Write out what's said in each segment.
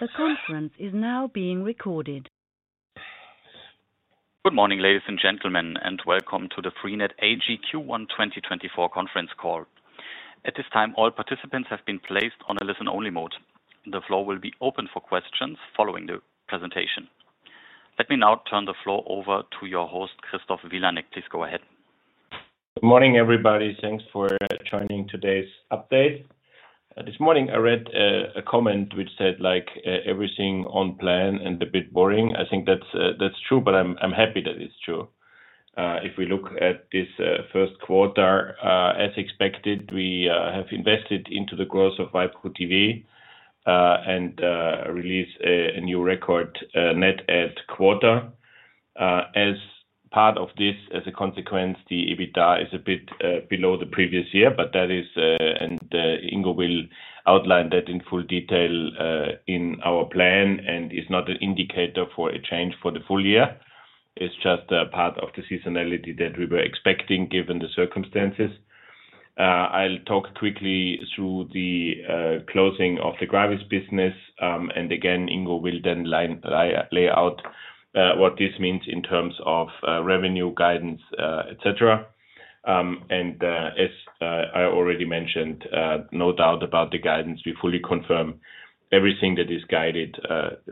The conference is now being recorded. Good morning, ladies and gentlemen, and welcome to the freenet AG Q1 2024 Conference Call. At this time, all participants have been placed on a listen-only mode. The floor will be open for questions following the presentation. Let me now turn the floor over to your host, Christoph Vilanek. Please go ahead. Good morning, everybody. Thanks for joining today's update. This morning I read a comment which said, like, "Everything on plan and a bit boring." I think that's true, but I'm happy that it's true. If we look at this first quarter, as expected, we have invested into the growth of waipu.tv and released a new record net add quarter. As part of this, as a consequence, the EBITDA is a bit below the previous year, but that is Ingo will outline that in full detail in our plan, and is not an indicator for a change for the full year. It's just a part of the seasonality that we were expecting, given the circumstances. I'll talk quickly through the closing of the GRAVIS business. And again, Ingo will then lay out what this means in terms of revenue guidance, et cetera. And, as I already mentioned, no doubt about the guidance. We fully confirm everything that is guided,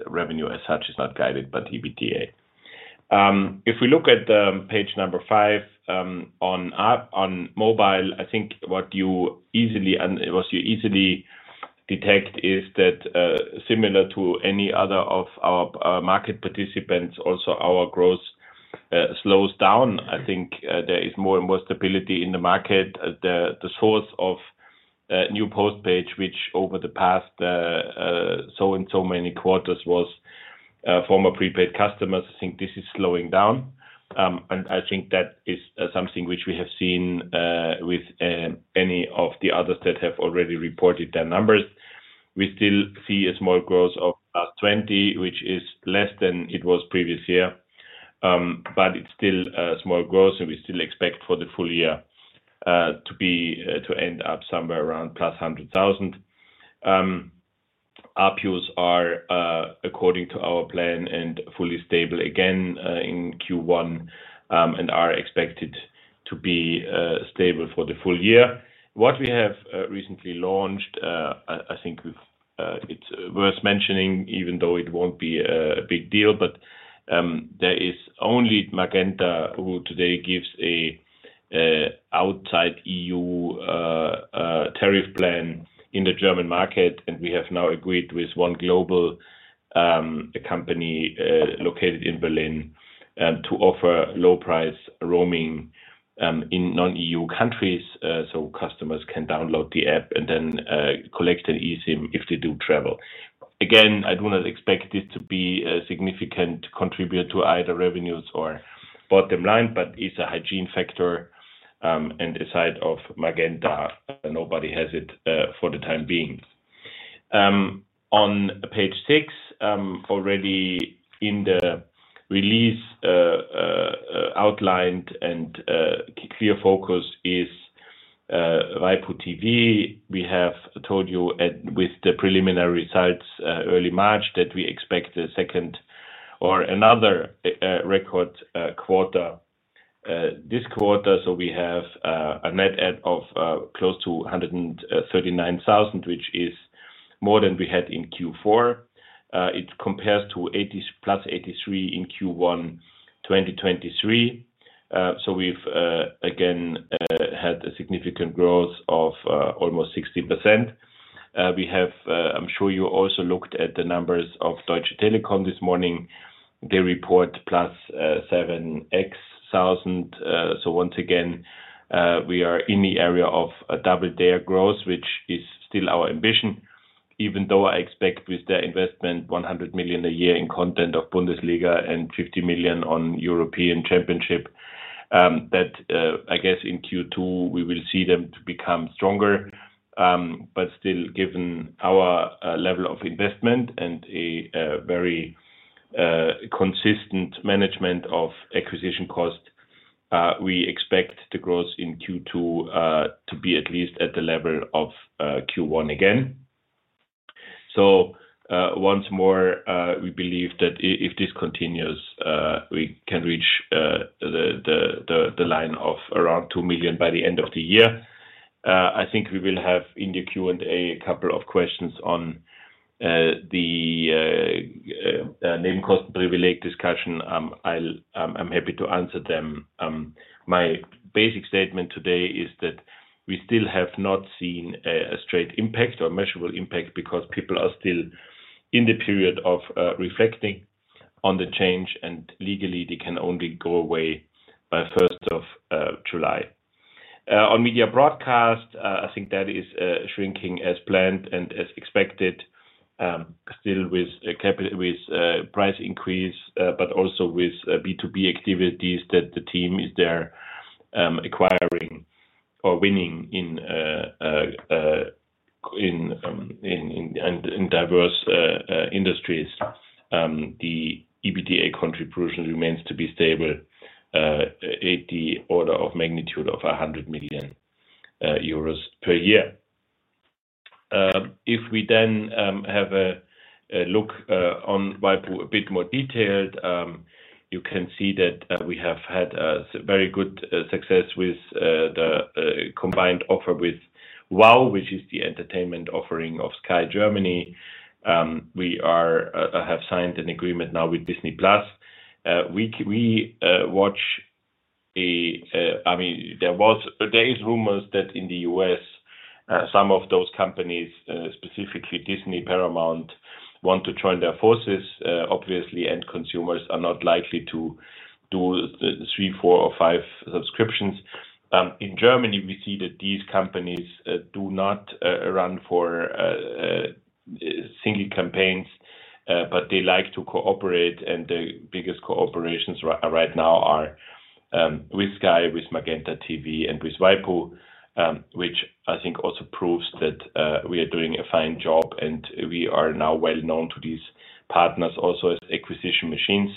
revenue as such is not guided, but EBITDA. If we look at page five, on mobile, I think what you easily detect is that, similar to any other of our market participants, also our growth slows down. I think there is more and more stability in the market. The source of new postpaid, which over the past so and so many quarters was former prepaid customers, I think this is slowing down. I think that is something which we have seen with any of the others that have already reported their numbers. We still see a small growth of 20, which is less than it was previous year. But it's still a small growth, and we still expect for the full year to end up somewhere around +100,000. ARPU's are according to our plan and fully stable again in Q1, and are expected to be stable for the full year. What we have recently launched, I think it's worth mentioning, even though it won't be a big deal, but there is only Magenta who today gives a outside EU tariff plan in the German market, and we have now agreed with one global company located in Berlin to offer low price roaming in non-EU countries. So customers can download the app and then collect an eSIM if they do travel. Again, I do not expect it to be a significant contributor to either revenues or bottom line, but it's a hygiene factor, and aside from Magenta, nobody has it for the time being. On page six, already in the release outlined and clear focus is waipu.tv. We have told you with the preliminary results early March that we expect a second or another record quarter this quarter. So we have a net add of close to 139,000, which is more than we had in Q4. It compares to +83 in Q1 2023. So we've again had a significant growth of almost 60%. We have, I'm sure you also looked at the numbers of Deutsche Telekom this morning. They report plus 70,000. So once again, we are in the area of double-digit growth, which is still our ambition, even though I expect with their investment, 100 million a year in content of Bundesliga and 50 million on European Championship, that I guess in Q2, we will see them to become stronger. But still, given our level of investment and a very consistent management of acquisition costs, we expect the growth in Q2 to be at least at the level of Q1 again. So once more, we believe that if this continues, we can reach the line of around 2 million by the end of the year. I think we will have in the Q&A a couple of questions on the Nebenkostenprivileg discussion. I'll...I'm happy to answer them. My basic statement today is that we still have not seen a straight impact or measurable impact because people are still in the period of reflecting on the change, and legally, they can only go away by first of July. On Media Broadcast, I think that is shrinking as planned and as expected, still with price increase, but also with B2B activities that the team is there, acquiring or winning in diverse industries. The EBITDA contribution remains to be stable at the order of magnitude of 100 million euros per year. If we then have a look on waipu.tv a bit more detailed, you can see that we have had a very good success with the combined offer with WOW! which is the entertainment offering of Sky Germany. We have signed an agreement now with Disney+. I mean, there is rumors that in the U.S., some of those companies, specifically Disney, Paramount, want to join their forces. Obviously, end consumers are not likely to do three, four, or five subscriptions. In Germany, we see that these companies do not run for single campaigns, but they like to cooperate, and the biggest cooperations right now are with Sky, with MagentaTV, and with waipu.tv, which I think also proves that we are doing a fine job, and we are now well known to these partners also as acquisition machines,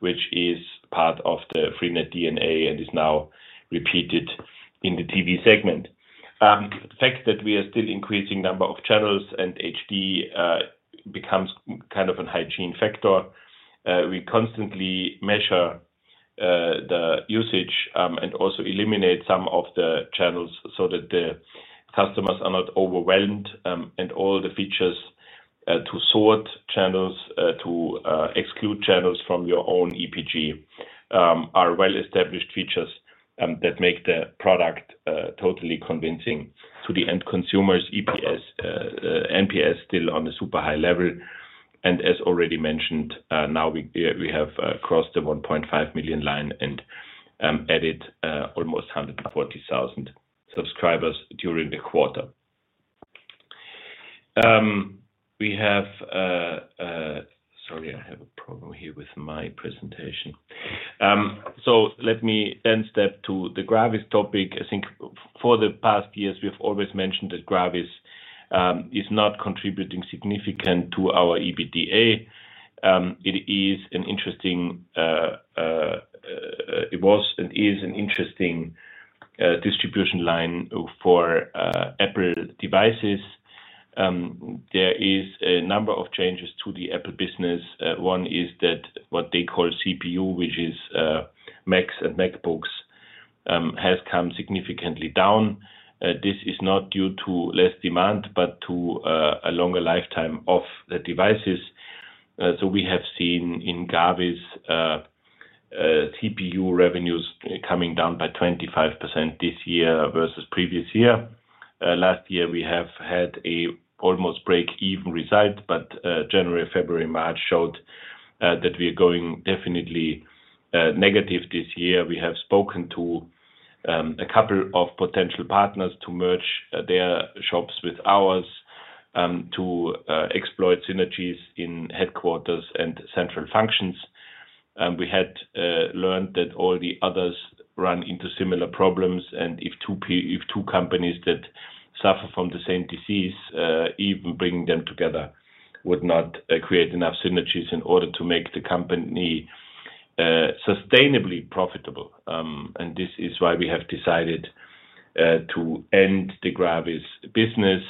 which is part of the freenet DNA and is now repeated in the TV segment. The fact that we are still increasing number of channels and HD becomes kind of a hygiene factor, we constantly measure the usage, and also eliminate some of the channels so that the customers are not overwhelmed. And all the features to sort channels to exclude channels from your own EPG are well-established features that make the product totally convincing to the end consumers. EPG, NPS, still on a super high level, and as already mentioned, now we have crossed the 1.5 million line and added almost 140,000 subscribers during the quarter. Sorry, I have a problem here with my presentation. Let me then step to the GRAVIS topic. I think for the past years, we've always mentioned that GRAVIS is not contributing significant to our EBITDA. It is an interesting, it was and is an interesting distribution line for Apple devices. There is a number of changes to the Apple business. One is that what they call CPU, which is Macs and MacBooks, has come significantly down. This is not due to less demand, but to a longer lifetime of the devices. So we have seen in GRAVIS, CPU revenues coming down by 25% this year versus previous year. Last year, we have had a almost break-even result, but January, February, March showed that we are going definitely negative this year. We have spoken to a couple of potential partners to merge their shops with ours, to exploit synergies in headquarters and central functions. And we had learned that all the others run into similar problems, and if two companies that suffer from the same disease, even bringing them together would not create enough synergies in order to make the company sustainably profitable. And this is why we have decided to end the Gravis business.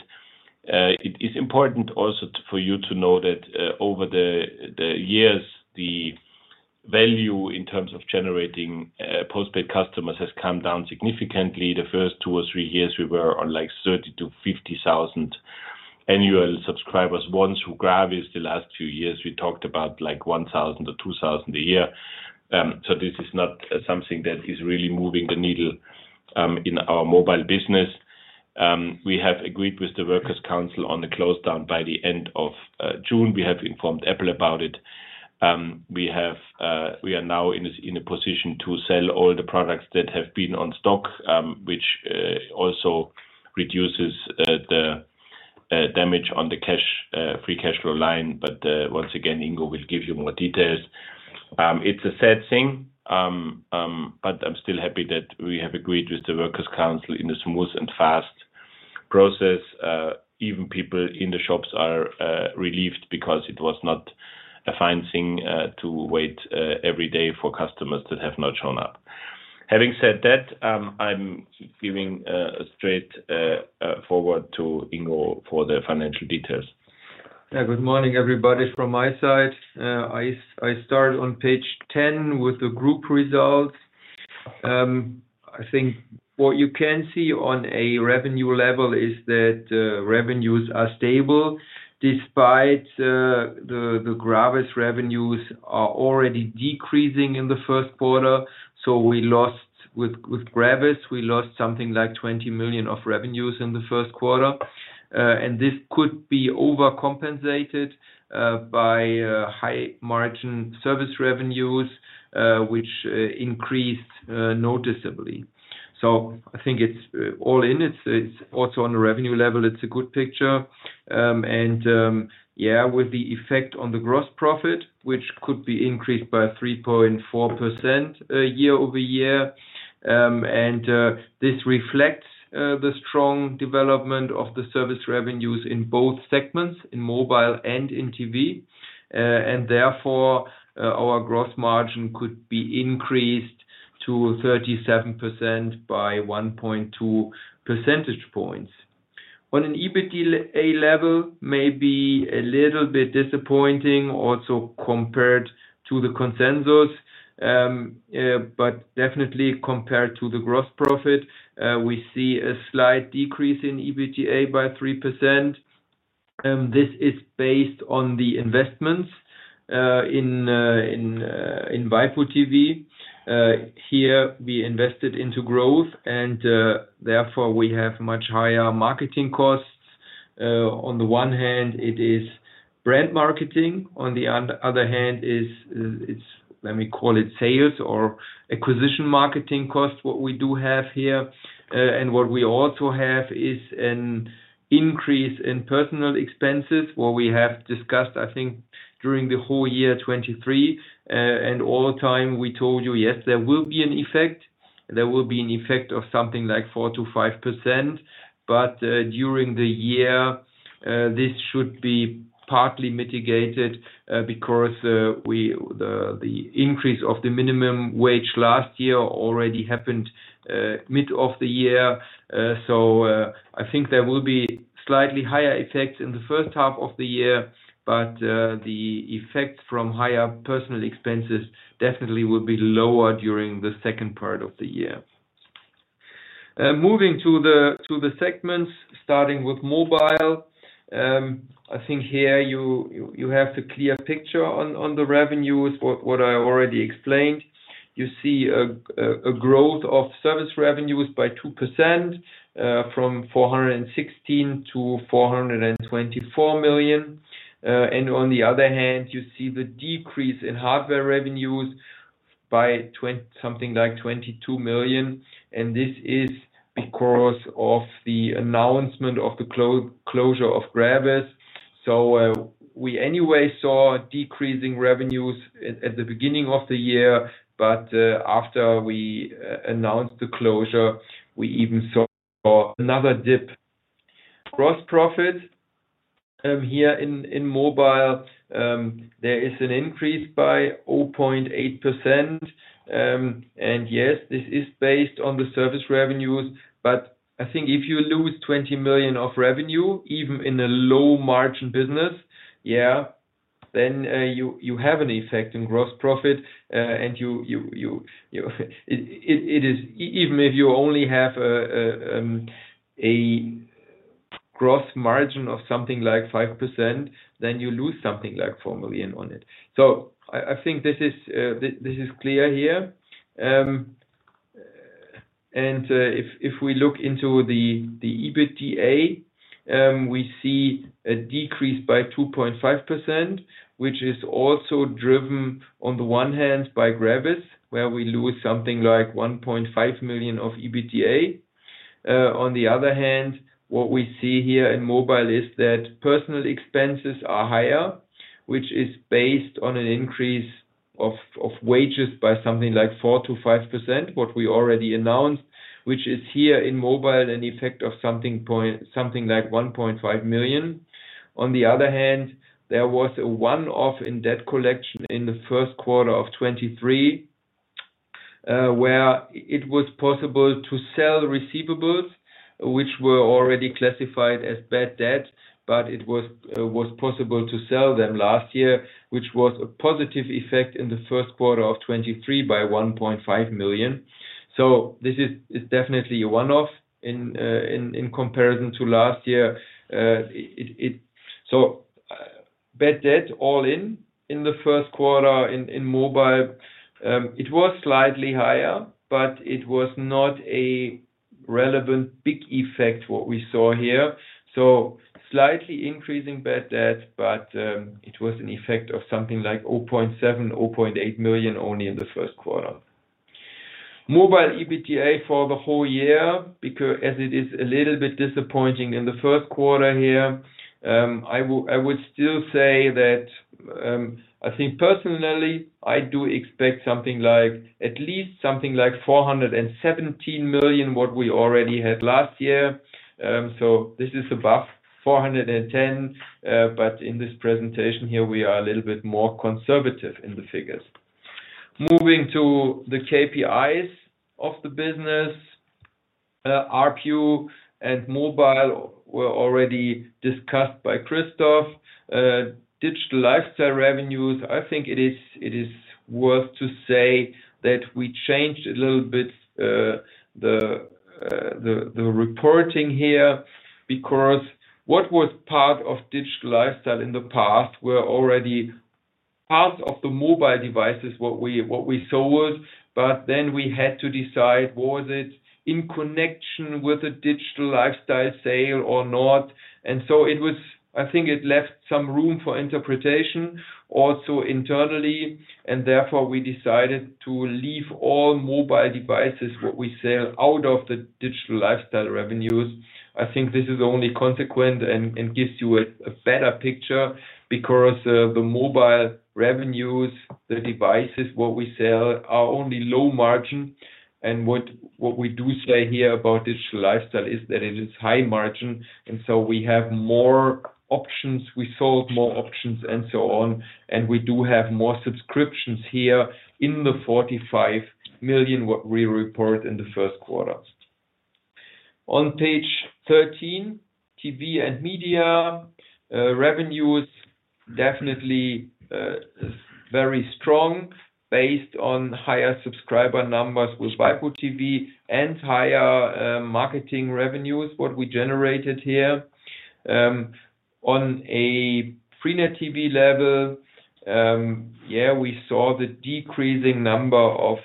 It is important also for you to know that over the years, the value in terms of generating postpaid customers has come down significantly. The first two or three years, we were on, like, 30,000-50,000 annual subscribers won through GRAVIS. The last two years, we talked about, like, 1,000-2,000 a year. So this is not something that is really moving the needle in our mobile business. We have agreed with the workers' council on the close down by the end of June. We have informed Apple about it. We are now in a position to sell all the products that have been in stock, which also reduces the damage on the cash free cash flow line. But once again, Ingo will give you more details. It's a sad thing, but I'm still happy that we have agreed with the workers' council in a smooth and fast process. Even people in the shops are relieved because it was not a fine thing to wait every day for customers that have not shown up. Having said that, I'm giving a straight forward to Ingo for the financial details. Yeah. Good morning, everybody, from my side. I start on page 10 with the group results. I think what you can see on a revenue level is that revenues are stable despite the GRAVIS revenues are already decreasing in the first quarter. So we lost. With GRAVIS, we lost something like 20 million of revenues in the first quarter. And this could be overcompensated by high-margin service revenues, which increased noticeably. So I think it's all in, it's also on the revenue level, it's a good picture. And yeah, with the effect on the gross profit, which could be increased by 3.4% year-over-year, and this reflects the strong development of the service revenues in both segments, in mobile and in TV. Therefore, our gross margin could be increased to 37% by 1.2 percentage points. On an EBITDA level, maybe a little bit disappointing also compared to the consensus, but definitely compared to the gross profit, we see a slight decrease in EBITDA by 3%. This is based on the investments in waipu.tv. Here we invested into growth, and therefore, we have much higher marketing costs. On the one hand, it is brand marketing, on the other hand, it's let me call it sales or acquisition marketing costs, what we do have here. And what we also have is an increase in personnel expenses, what we have discussed, I think, during the whole year 2023. And all the time we told you, yes, there will be an effect. There will be an effect of something like 4%-5%, but, during the year, this should be partly mitigated, because the increase of the minimum wage last year already happened, mid of the year. So, I think there will be slightly higher effects in the first half of the year, but, the effect from higher personal expenses definitely will be lower during the second part of the year. Moving to the segments, starting with mobile. I think here you have the clear picture on the revenues, what I already explained. You see a growth of service revenues by 2%, from 416 million to 424 million. And on the other hand, you see the decrease in hardware revenues by something like 22 million, and this is because of the announcement of the closure of GRAVIS. So, we anyway saw decreasing revenues at the beginning of the year, but after we announced the closure, we even saw another dip. Gross profit here in mobile there is an increase by 0.8%. And yes, this is based on the service revenues, but I think if you lose 20 million of revenue, even in a low-margin business, yeah, then you have an effect in gross profit, and it is even if you only have a gross margin of something like 5%, then you lose something like 4 million on it. So I think this is clear here. And if we look into the EBITDA, we see a decrease by 2.5%, which is also driven, on the one hand, by GRAVIS, where we lose something like 1.5 million of EBITDA. On the other hand, what we see here in mobile is that personnel expenses are higher, which is based on an increase of wages by something like 4%-5%, what we already announced, which is here in mobile, an effect of something like 1.5 million. On the other hand, there was a one-off in debt collection in the first quarter of 2023, where it was possible to sell receivables, which were already classified as bad debt, but it was possible to sell them last year, which was a positive effect in the first quarter of 2023 by 1.5 million. So this is definitely a one-off in comparison to last year. Bad debt all in the first quarter in mobile, it was slightly higher, but it was not a relevant big effect, what we saw here. So slightly increasing bad debt, but it was an effect of something like 0.7 million-0.8 million only in the first quarter. Mobile EBITDA for the whole year, because as it is a little bit disappointing in the first quarter here, I would still say that, I think personally, I do expect something like, at least something like 417 million, what we already had last year. So this is above 410 million, but in this presentation here, we are a little bit more conservative in the figures. Moving to the KPIs of the business, ARPU and mobile were already discussed by Christoph. Digital lifestyle revenues, I think it is worth saying that we changed a little bit the reporting here, because what was part of digital lifestyle in the past were already part of the mobile devices what we sold, but then we had to decide, was it in connection with a digital lifestyle sale or not? And so it was. I think it left some room for interpretation, also internally, and therefore, we decided to leave all mobile devices what we sell out of the digital lifestyle revenues. I think this is only consistent and gives you a better picture because the mobile revenues, the devices what we sell, are only low margin. And what we do say here about digital lifestyle is that it is high margin, and so we have more options. We sold more options and so on, and we do have more subscriptions here in the 45 million, what we report in the first quarter. On page 13, TV and media revenues definitely is very strong based on higher subscriber numbers with waipu.tv and higher marketing revenues, what we generated here. On a freenet TV level, yeah, we saw the decreasing number of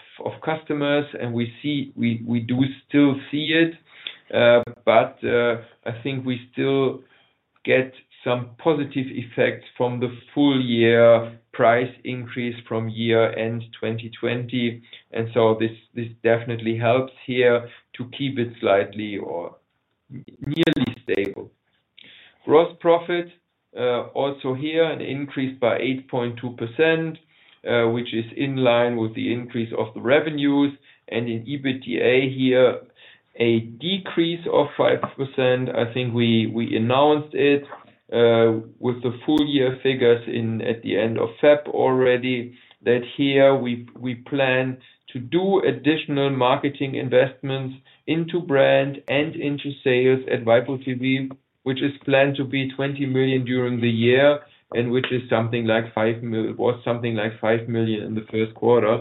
customers, and we see we do still see it. But I think we still get some positive effects from the full year price increase from year-end 2020, and so this definitely helps here to keep it slightly or nearly stable. Gross profit also here, an increase by 8.2%, which is in line with the increase of the revenues. And in EBITDA here, a decrease of 5%. I think we announced it with the full year figures in at the end of February already, that here we plan to do additional marketing investments into brand and into sales at waipu.tv, which is planned to be 20 million during the year, and which is something like 5 million in the first quarter.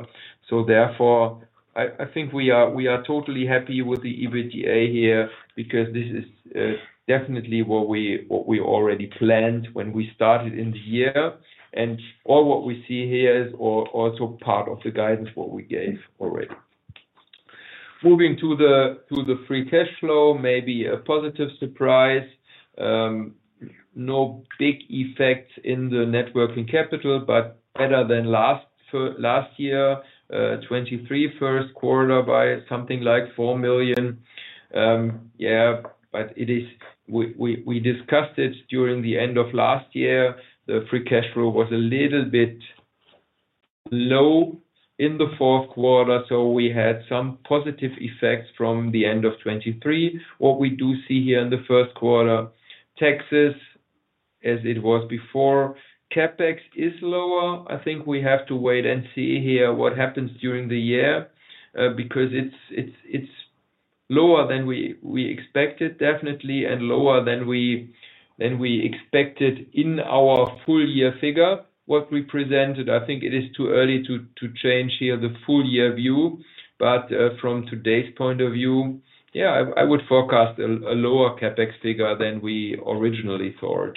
So therefore, I think we are totally happy with the EBITDA here, because this is definitely what we already planned when we started in the year. All what we see here is also part of the guidance, what we gave already. Moving to the free cash flow, maybe a positive surprise. No big effects in the net working capital, but better than last year, 2023 first quarter by something like 4 million. Yeah, but it is. We discussed it during the end of last year. The free cash flow was a little bit low in the fourth quarter, so we had some positive effects from the end of 2023. What we do see here in the first quarter, taxes, as it was before, CapEx is lower. I think we have to wait and see here what happens during the year, because it's lower than we expected, definitely, and lower than we expected in our full year figure, what we presented. I think it is too early to change here the full year view, but, from today's point of view, yeah, I would forecast a lower CapEx figure than we originally thought.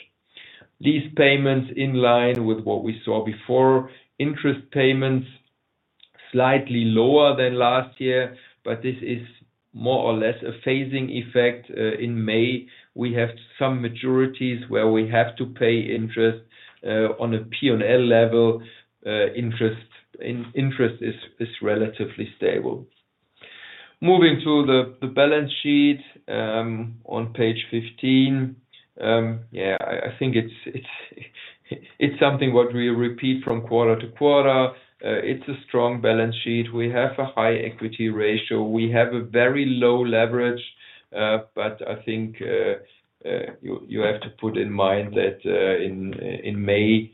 These payments in line with what we saw before. Interest payments, slightly lower than last year, but this is more or less a phasing effect. In May, we have some majorities where we have to pay interest, on a P&L level, interest, in-interest is, is relatively stable. Moving to the balance sheet, on page 15. Yeah, I think it's something what we repeat from quarter to quarter. It's a strong balance sheet. We have a high equity ratio. We have a very low leverage, but I think, you have to put in mind that, in May,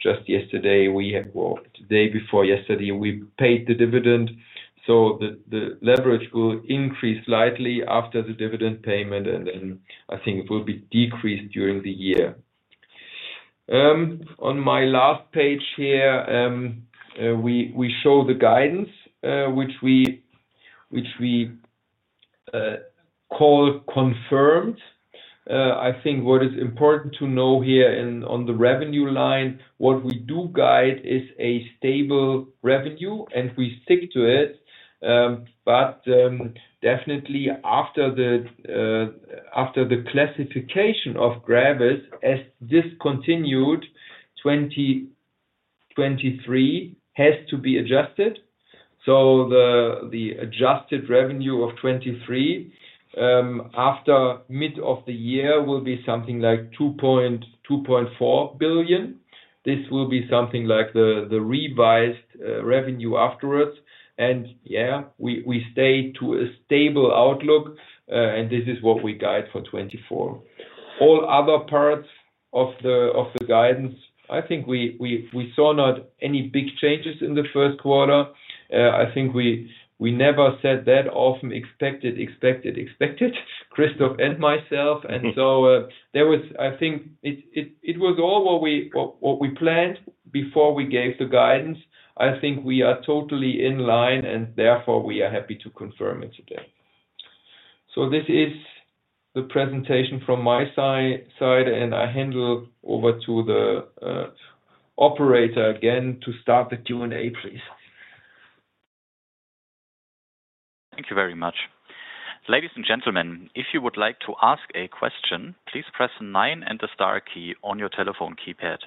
just yesterday, we had. Well, the day before yesterday, we paid the dividend, so the leverage will increase slightly after the dividend payment, and then I think it will be decreased during the year. On my last page here, we show the guidance, which we call confirmed. I think what is important to know here on the revenue line, what we do guide is a stable revenue and we stick to it. But definitely after the classification of GRAVIS as discontinued, 2023 has to be adjusted. So the adjusted revenue of 2023 after mid of the year will be something like 2.2 billion-2.4 billion. This will be something like the revised revenue afterwards. And yeah, we stay to a stable outlook, and this is what we guide for 2024. All other parts of the guidance, I think we saw not any big changes in the first quarter. I think we never said that often expected, Christoph and myself. And so, there was. I think it was all what we planned before we gave the guidance. I think we are totally in line, and therefore, we are happy to confirm it today. So this is the presentation from my side, and I hand over to the operator again to start the Q&A, please. Thank you very much. Ladies and gentlemen, if you would like to ask a question, please press nine and the star key on your telephone keypad.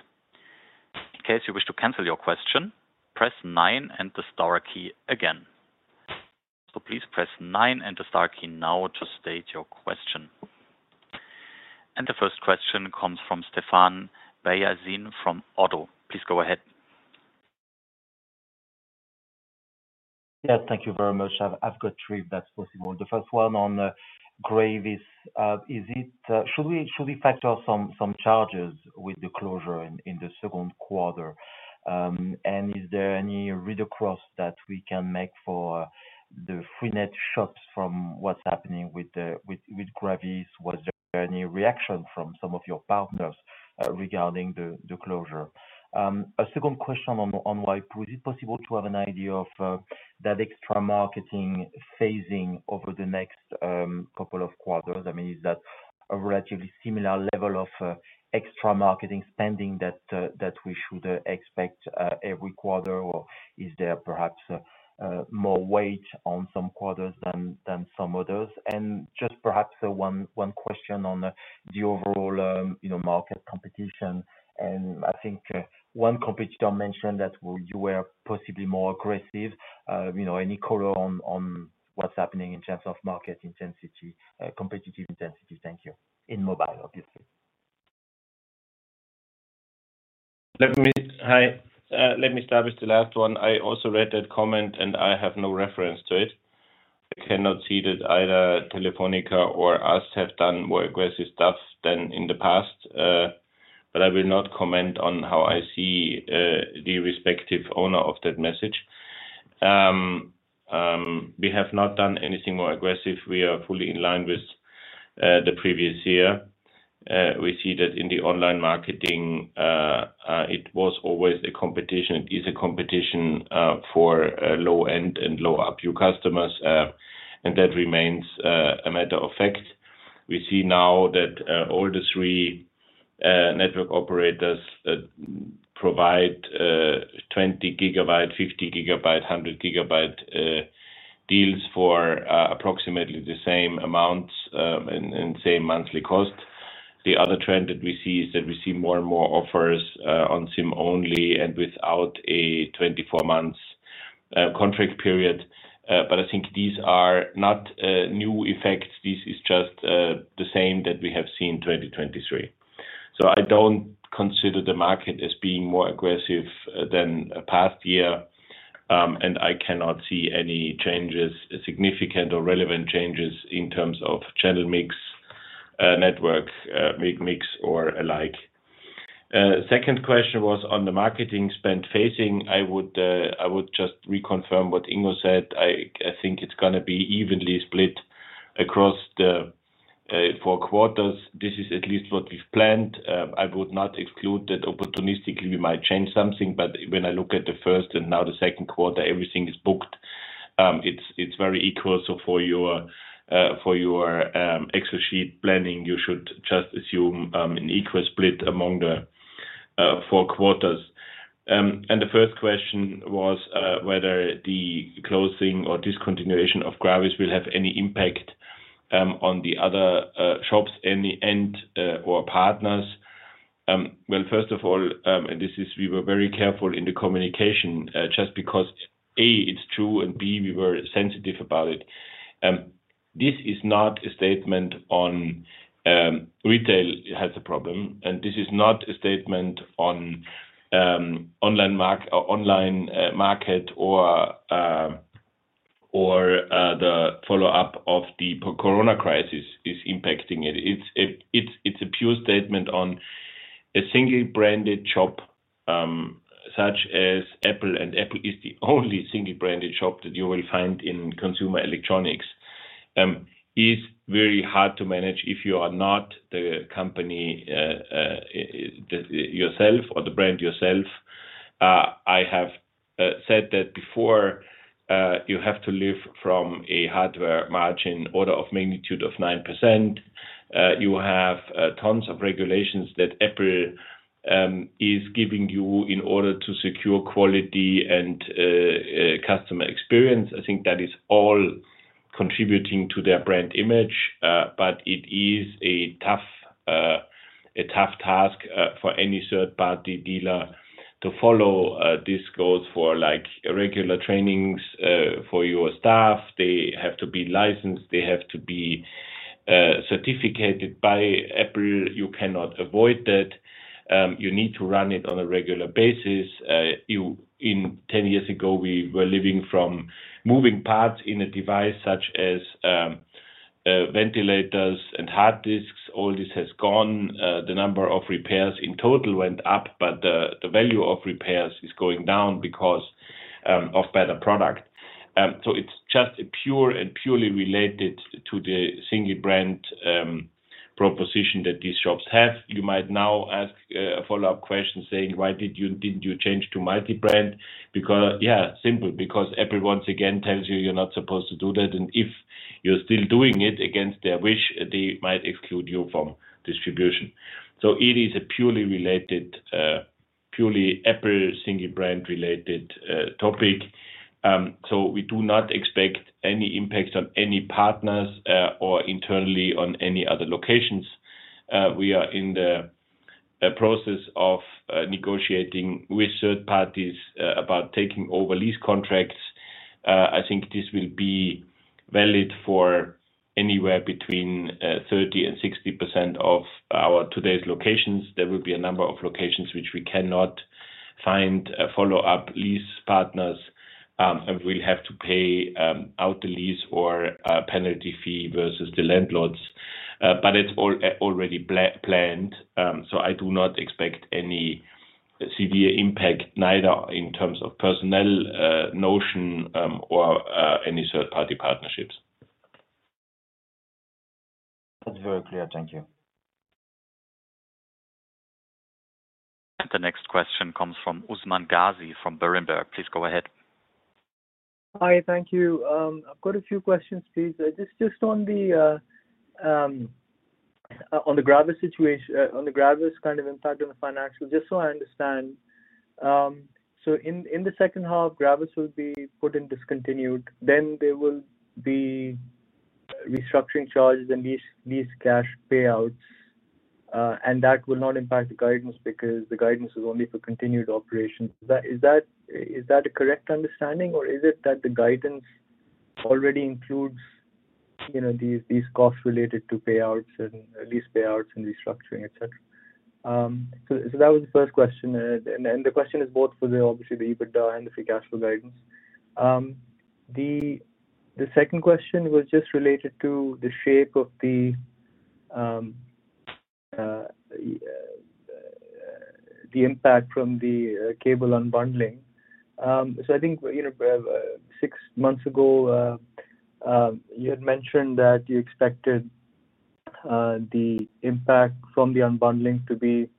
In case you wish to cancel your question, press nine and the star key again. So please press nine and the star key now to state your question. The first question comes from Stephane Beyazian, from Oddo. Please go ahead. Yeah, thank you very much. I've got three, if that's possible. The first one on GRAVIS. Should we factor some charges with the closure in the second quarter? And is there any read-across that we can make for the freenet shops from what's happening with GRAVIS? Was there any reaction from some of your partners regarding the closure? A second question on waipu, is it possible to have an idea of that extra marketing phasing over the next couple of quarters? I mean, is that a relatively similar level of extra marketing spending that we should expect every quarter, or is there perhaps more weight on some quarters than some others? And just perhaps one question on the overall, you know, market competition, and I think one competitor mentioned that you were possibly more aggressive. You know, any color on what's happening in terms of market intensity, competitive intensity? Thank you. In mobile, obviously. Let me Hi. Let me start with the last one. I also read that comment, and I have no reference to it. I cannot see that either Telefónica or us have done more aggressive stuff than in the past. But I will not comment on how I see the respective owner of that message. We have not done anything more aggressive. We are fully in line with the previous year. We see that in the online marketing, it was always a competition. It is a competition for low-end and low ARPU customers, and that remains a matter of fact. We see now that all the three network operators provide 20 GB, 50 GB, 100 GB deals for approximately the same amounts, and same monthly cost. The other trend that we see is that we see more and more offers on SIM-only and without a 24-month contract period. But I think these are not new effects. This is just the same that we have seen in 2023. So I don't consider the market as being more aggressive than past year. And I cannot see any changes, significant or relevant changes in terms of channel mix, network mix, or alike. Second question was on the marketing spend phasing. I would just reconfirm what Ingo said. I think it's gonna be evenly split across the four quarters. This is at least what we've planned. I would not exclude that opportunistically we might change something, but when I look at the first and now the second quarter, everything is booked. It's very equal. So for your Excel sheet planning, you should just assume an equal split among the four quarters. And the first question was whether the closing or discontinuation of GRAVIS will have any impact on the other shops in the end or partners. Well, first of all, and this is we were very careful in the communication just because, A, it's true, and B, we were sensitive about it. This is not a statement on, retail has a problem, and this is not a statement on, online market or, or, the follow-up of the post-corona crisis is impacting it. It's a, it's, it's a pure statement on a single-branded shop, such as Apple, and Apple is the only single-branded shop that you will find in consumer electronics. It's very hard to manage if you are not the company, the yourself or the brand yourself. I have said that before, you have to live from a hardware margin order of magnitude of 9%. You have tons of regulations that Apple is giving you in order to secure quality and customer experience. I think that is all contributing to their brand image, but it is a tough task for any third-party dealer to follow these goals for, like, regular trainings for your staff. They have to be licensed. They have to be certified by Apple. You cannot avoid that. You need to run it on a regular basis. In 10 years ago, we were living from moving parts in a device such as ventilators and hard disks. All this has gone. The number of repairs in total went up, but the value of repairs is going down because of better product. So it's just a pure and purely related to the single brand proposition that these shops have. You might now ask a follow-up question saying: Why didn't you change to multi-brand? Because, yeah, simple, because Apple once again tells you you're not supposed to do that, and if you're still doing it against their wish, they might exclude you from distribution. So it is a purely related, purely Apple single brand-related topic. So we do not expect any impacts on any partners or internally on any other locations. We are in the process of negotiating with third parties about taking over lease contracts. I think this will be valid for anywhere between 30% and 60% of our today's locations. There will be a number of locations which we cannot find follow-up lease partners, and we'll have to pay out the lease or a penalty fee versus the landlords. But it's already planned, so I do not expect any severe impact, neither in terms of personnel, notion, or any third-party partnerships. That's very clear. Thank you. The next question comes from Usman Ghazi from Berenberg. Please go ahead. Hi, thank you. I've got a few questions, please. Just on the GRAVIS situation, on the GRAVIS kind of impact on the financial, just so I understand. So in the second half, GRAVIS will be put in discontinued, then there will be restructuring charges and lease cash payouts. And that will not impact the guidance because the guidance is only for continued operations. Is that a correct understanding, or is it that the guidance already includes, you know, these costs related to payouts and these payouts and restructuring, et cetera? So that was the first question. And the question is both for, obviously, the EBITDA and the free cash flow guidance. The second question was just related to the shape of the impact from the cable unbundling. So I think, you know, six months ago, you had mentioned that you expected the impact from the unbundling to be,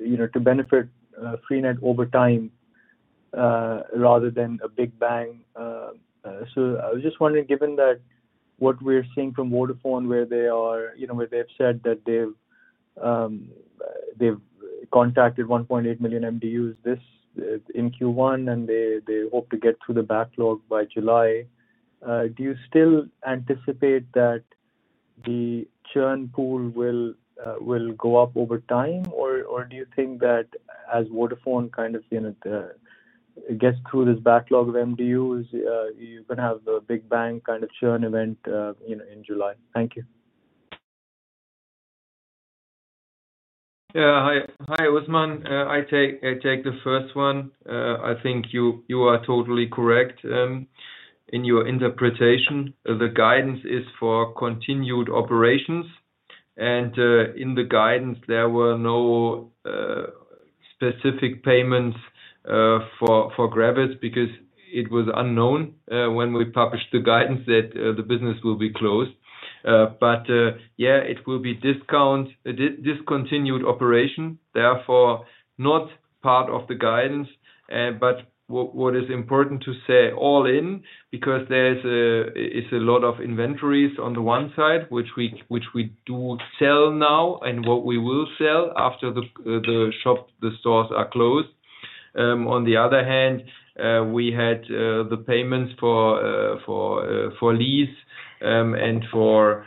you know, to benefit freenet over time, rather than a big bang. So I was just wondering, given that what we're seeing from Vodafone, where they are, you know, where they've said that they've contacted 1.8 million MDUs this in Q1, and they hope to get through the backlog by July. Do you still anticipate that the churn pool will go up over time? Or, do you think that as Vodafone, kind of, you know, gets through this backlog of MDUs, you're gonna have the big bang kind of churn event, you know, in July? Thank you. Yeah. Hi, hi, Usman. I take, I take the first one. I think you, you are totally correct in your interpretation. The guidance is for continued operations, and in the guidance, there were no specific payments for GRAVIS because it was unknown when we published the guidance that the business will be closed. But yeah, it will be discontinued operation, therefore, not part of the guidance. But what is important to say all in, because there is a lot of inventories on the one side, which we, which we do sell now, and what we will sell after the the shop, the stores are closed. On the other hand, we had the payments for for for lease and for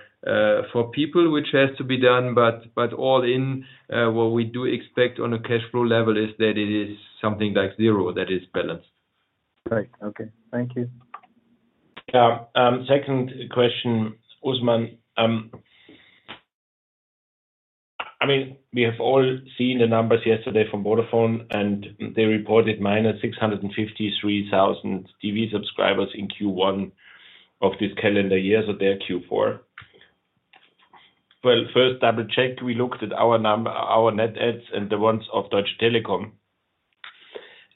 for people, which has to be done. But all in, what we do expect on a cash flow level is that it is something like zero that is balanced. Right. Okay, thank you. Yeah, second question, Usman. I mean, we have all seen the numbers yesterday from Vodafone, and they reported -653,000 TV subscribers in Q1 of this calendar year, so their Q4. Well, first, double-check, we looked at our number, our net adds and the ones of Deutsche Telekom.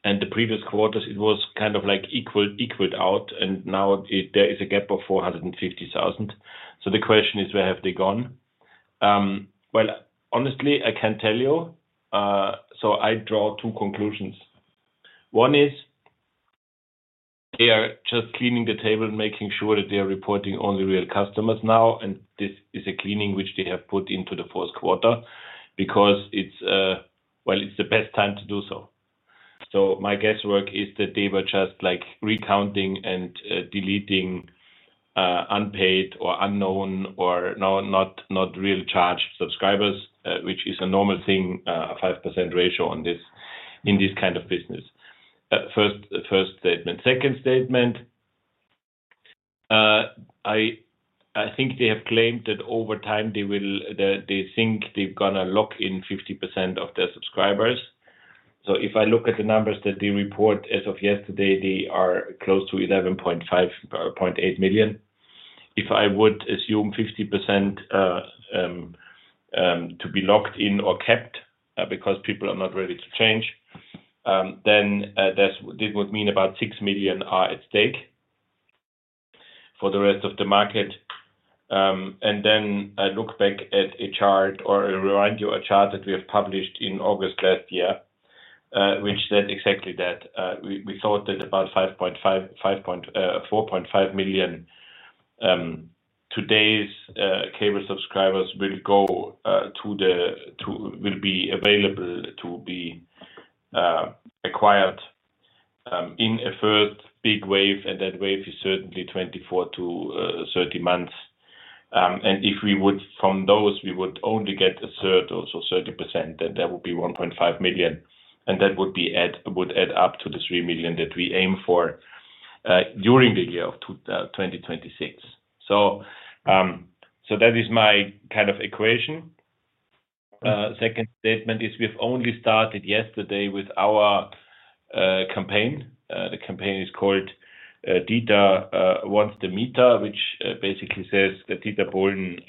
And the previous quarters, it was kind of like equal, equaled out, and now it, there is a gap of 450,000. So the question is: Where have they gone? Well, honestly, I can't tell you, so I draw two conclusions. One is they are just cleaning the table, making sure that they are reporting only real customers now, and this is a cleaning which they have put into the fourth quarter because it's, well, it's the best time to do so. So my guesswork is that they were just, like, recounting and deleting unpaid or unknown or no, not, not real charged subscribers, which is a normal thing, a 5% ratio on this, in this kind of business. First, first statement. Second statement, I, I think they have claimed that over time, they will... That they think they're gonna lock in 50% of their subscribers. So if I look at the numbers that they report as of yesterday, they are close to 11.58 million. If I would assume 50% to be locked in or kept, because people are not ready to change, then, that's-- this would mean about 6 million are at stake for the rest of the market. And then I look back at a chart or I remind you a chart that we have published in August last year, which said exactly that. We, we thought that about 5.5, 5 point, 4.5 million, today's, cable subscribers will go, to the, to will be available to be, acquired, in a third big wave, and that wave is certainly 24 months-30 months. And if we would, from those, we would only get a third, also 30%, then that would be 1.5 million, and that would be add would add up to the 3 million that we aim for, during the year of 2026. So, so that is my kind of equation. Second statement is we've only started yesterday with our, campaign. The campaign is called Dieter Wants the Mieter, which basically says that Dieter Bohlen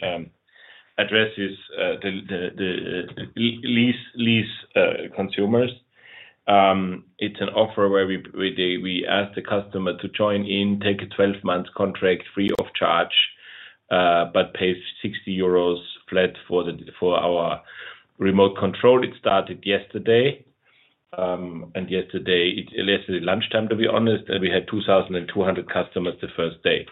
addresses the lease consumers. It's an offer where we ask the customer to join in, take a 12-month contract free of charge, but pay 60 euros flat for our remote control. It started yesterday, and yesterday, in less than lunchtime, to be honest, and we had 2,200 customers the first day.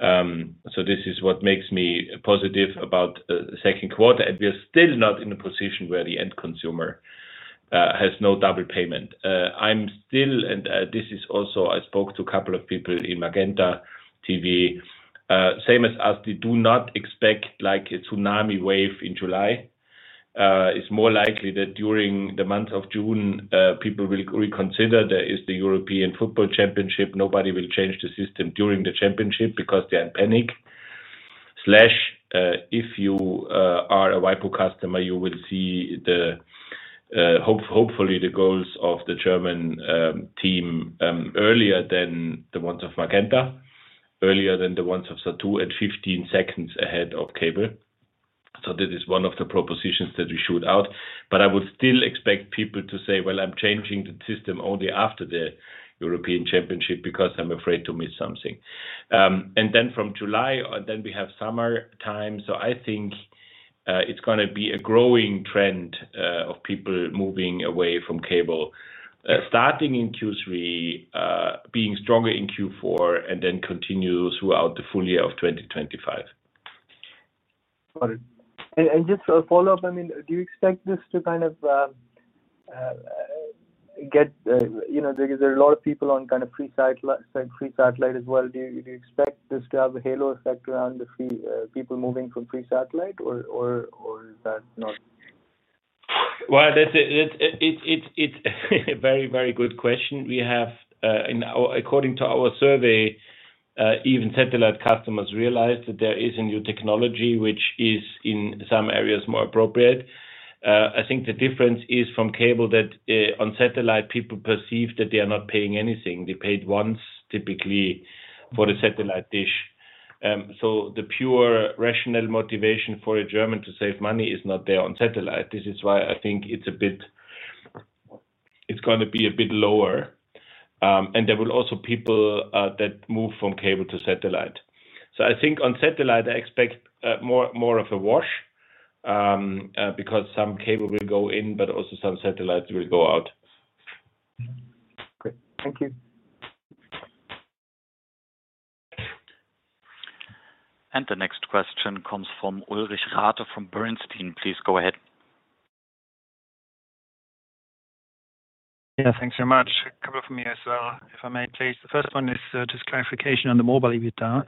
So this is what makes me positive about the second quarter, and we are still not in a position where the end consumer has no double payment. I'm still, and this is also, I spoke to a couple of people in Magenta TV, same as us, they do not expect like a tsunami wave in July. It's more likely that during the month of June, people will reconsider. There is the European Football Championship. Nobody will change the system during the championship because they are in panic, slash, if you are a waipu customer, you will see the, hopefully, the goals of the German team earlier than the ones of Magenta, earlier than the ones of Saturn and 15 seconds ahead of Cable. So this is one of the propositions that we shoot out. But I would still expect people to say, "Well, I'm changing the system only after the European Championship because I'm afraid to miss something." And then from July, then we have summertime, so I think it's gonna be a growing trend of people moving away from Cable.Starting in Q3, being stronger in Q4, and then continue throughout the full year of 2025. Got it. And just a follow-up, I mean, do you expect this to kind of get. You know, there are a lot of people on kind of pre-satellite, pre-satellite as well. Do you expect this to have a halo effect around the free people moving from pre-satellite or is that not? Well, that's a very good question. We have, according to our survey, even satellite customers realize that there is a new technology which is in some areas more appropriate. I think the difference is from cable, that, on satellite, people perceive that they are not paying anything. They paid once, typically, for the satellite dish. So the pure rational motivation for a German to save money is not there on satellite. This is why I think it's a bit. It's gonna be a bit lower. And there will also people that move from cable to satellite. So I think on satellite, I expect more of a wash, because some cable will go in, but also some satellites will go out. Great. Thank you. The next question comes from Ulrich Rathe, from Bernstein. Please go ahead. Yeah, thanks so much. A couple from me as well, if I may please. The first one is just clarification on the mobile EBITDA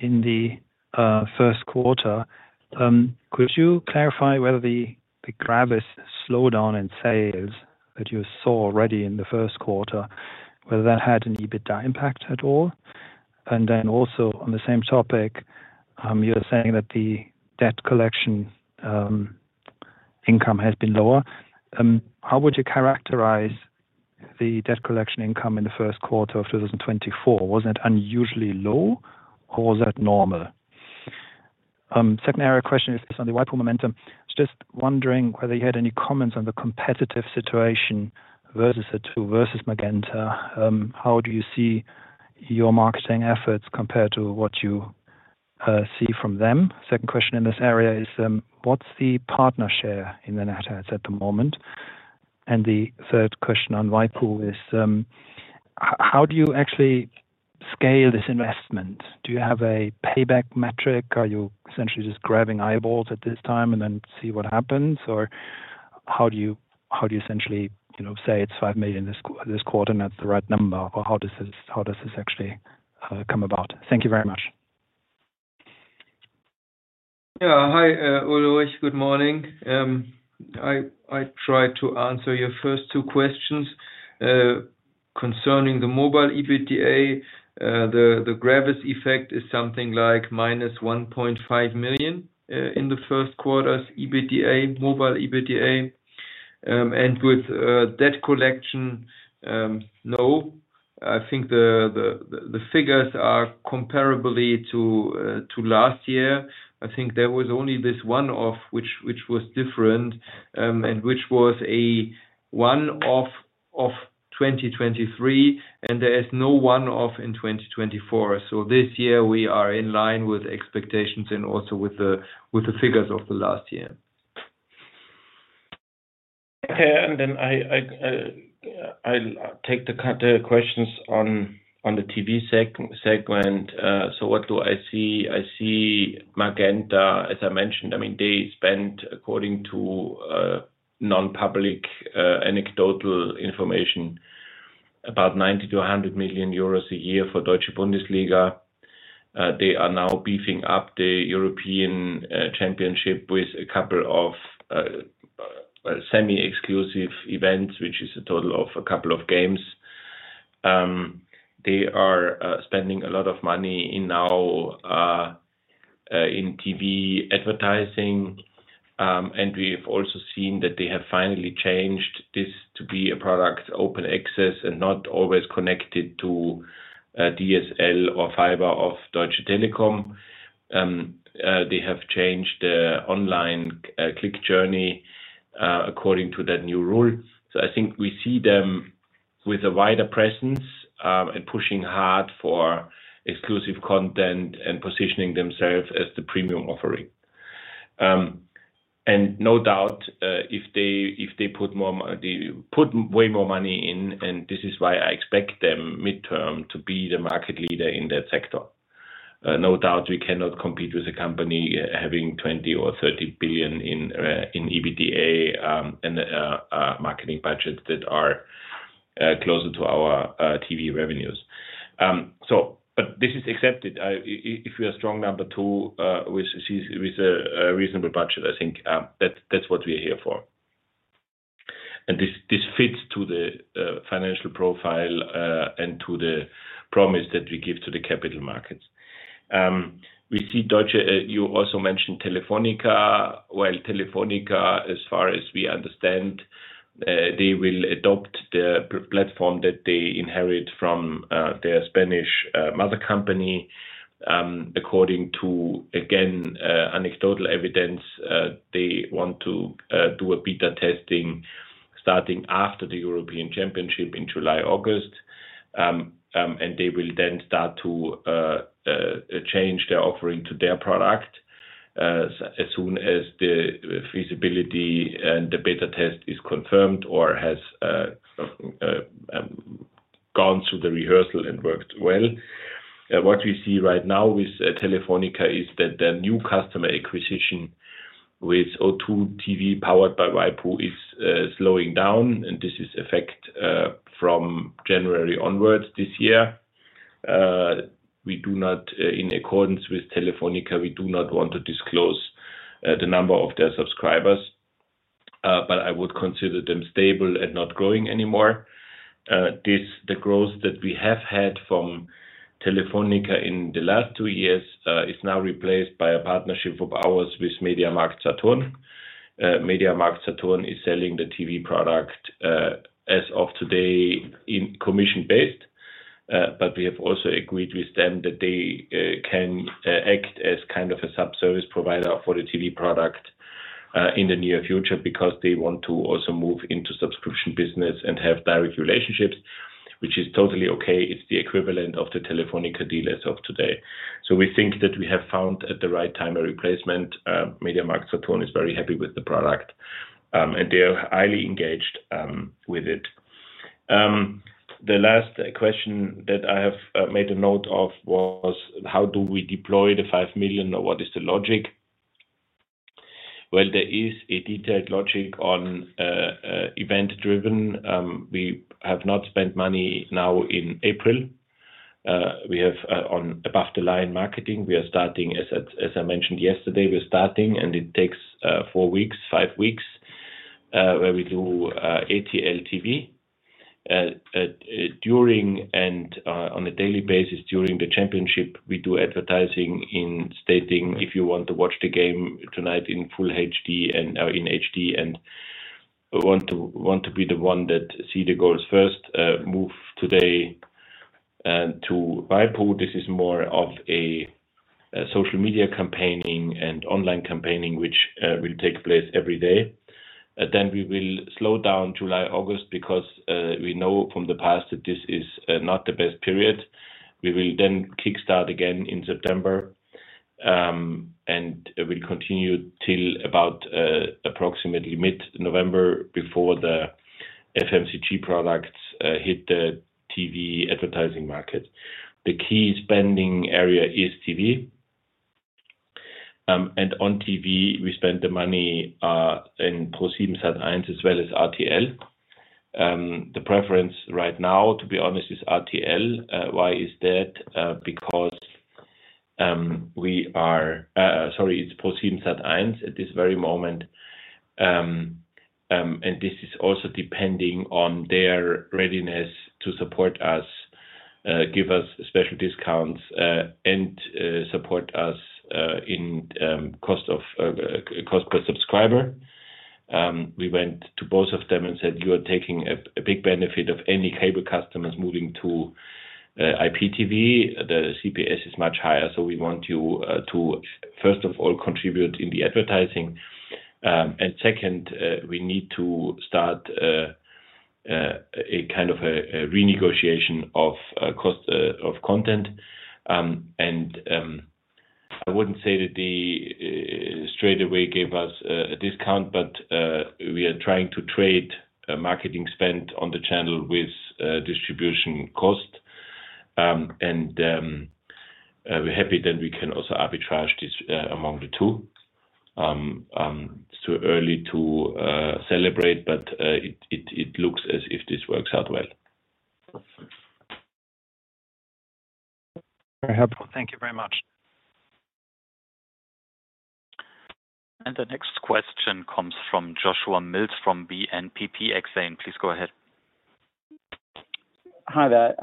in the first quarter. Could you clarify whether the GRAVIS slowdown in sales that you saw already in the first quarter had an EBITDA impact at all? And then also on the same topic, you're saying that the debt collection income has been lower. How would you characterize the debt collection income in the first quarter of 2024? Was it unusually low, or was that normal? Second area question is on the waipu momentum. Just wondering whether you had any comments on the competitive situation versus the two, versus Magenta. How do you see your marketing efforts compared to what you see from them? Second question in this area is: what's the partner share in the net adds at the moment? And the third question on waipu.tv is: how do you actually scale this investment? Do you have a payback metric? Are you essentially just grabbing eyeballs at this time and then see what happens? Or how do you, how do you essentially, you know, say it's 5 million this quarter, and that's the right number? Or how does this, how does this actually come about? Thank you very much. Yeah. Hi, Ulrich, good morning. I try to answer your first two questions. Concerning the mobile EBITDA, the GRAVIS effect is something like -1.5 million in the first quarter's EBITDA, mobile EBITDA. And with debt collection, no, I think the figures are comparably to last year. I think there was only this one-off, which was different, and which was a one-off of 2023, and there is no one-off in 2024. So this year we are in line with expectations and also with the figures of the last year. Okay, and then I'll take the questions on the TV segment. So what do I see? I see Magenta, as I mentioned, I mean, they spent, according to non-public, anecdotal information, about 90 million-100 million euros a year for Deutsche Bundesliga. They are now beefing up the European Championship with a couple of semi-exclusive events, which is a total of a couple of games. They are spending a lot of money now in TV advertising. And we've also seen that they have finally changed this to be a product, open access, and not always connected to DSL or fiber of Deutsche Telekom. They have changed the online click journey according to that new rule. So I think we see them with a wider presence, and pushing hard for exclusive content and positioning themselves as the premium offering. And no doubt, if they put more, they put way more money in, and this is why I expect them midterm to be the market leader in that sector. No doubt, we cannot compete with a company having 20 billion or 30 billion in EBITDA, and marketing budgets that are closer to our TV revenues. So but this is accepted. If we are strong number two, with a reasonable budget, I think, that's what we're here for. And this fits to the financial profile, and to the promise that we give to the capital markets. We see Deutsche. You also mentioned Telefónica. Well, Telefónica, as far as we understand, they will adopt the platform that they inherit from their Spanish mother company. According to, again, anecdotal evidence, they want to do a beta testing starting after the European Championship in July, August. And they will then start to change their offering to their product as soon as the feasibility and the beta test is confirmed or has gone through the rehearsal and worked well. What we see right now with Telefónica is that their new customer acquisition with O2 TV, powered by Waipu, is slowing down, and this is effect from January onwards this year. We do not, in accordance with Telefónica, we do not want to disclose the number of their subscribers, but I would consider them stable and not growing anymore. This, the growth that we have had from Telefónica in the last two years, is now replaced by a partnership of ours with MediaMarktSaturn. MediaMarktSaturn is selling the TV product, as of today, in commission-based. But we have also agreed with them that they can act as kind of a sub-service provider for the TV product, in the near future, because they want to also move into subscription business and have direct relationships, which is totally okay. It's the equivalent of the Telefónica dealers of today. So we think that we have found, at the right time, a replacement. MediaMarktSaturn is very happy with the product, and they are highly engaged, with it. The last question that I have made a note of was: How do we deploy the 5 million, or what is the logic? Well, there is a detailed logic on event-driven. We have not spent money now in April. We have on above-the-line marketing, we are starting, as I, as I mentioned yesterday, we're starting, and it takes four weeks, five weeks where we do ATL TV. During and on a daily basis during the championship, we do advertising in stating, "If you want to watch the game tonight in full HD and or in HD, and want to, want to be the one that see the goals first, move today." And to waipu, this is more of a social media campaigning and online campaigning, which will take place every day. Then we will slow down July, August, because we know from the past that this is not the best period. We will then kickstart again in September, and it will continue till about approximately mid-November, before the FMCG products hit the TV advertising market. The key spending area is TV. On TV, we spend the money in ProSiebenSat.1, as well as RTL. The preference right now, to be honest, is RTL. Why is that? Because sorry, it's ProSiebenSat.1 at this very moment. And this is also depending on their readiness to support us, give us special discounts, and support us in cost per subscriber. We went to both of them and said, "You are taking a big benefit of any cable customers moving to IPTV. The CPS is much higher, so we want you to first of all contribute in the advertising. And second, we need to start a kind of a renegotiation of cost of content." And, I wouldn't say that they straightaway gave us a discount, but we are trying to trade a marketing spend on the channel with distribution cost. And, we're happy that we can also arbitrage this among the two. It's too early to celebrate, but it looks as if this works out well. Thank you very much. The next question comes from Joshua Mills from BNPP Exane. Please go ahead. Hi there,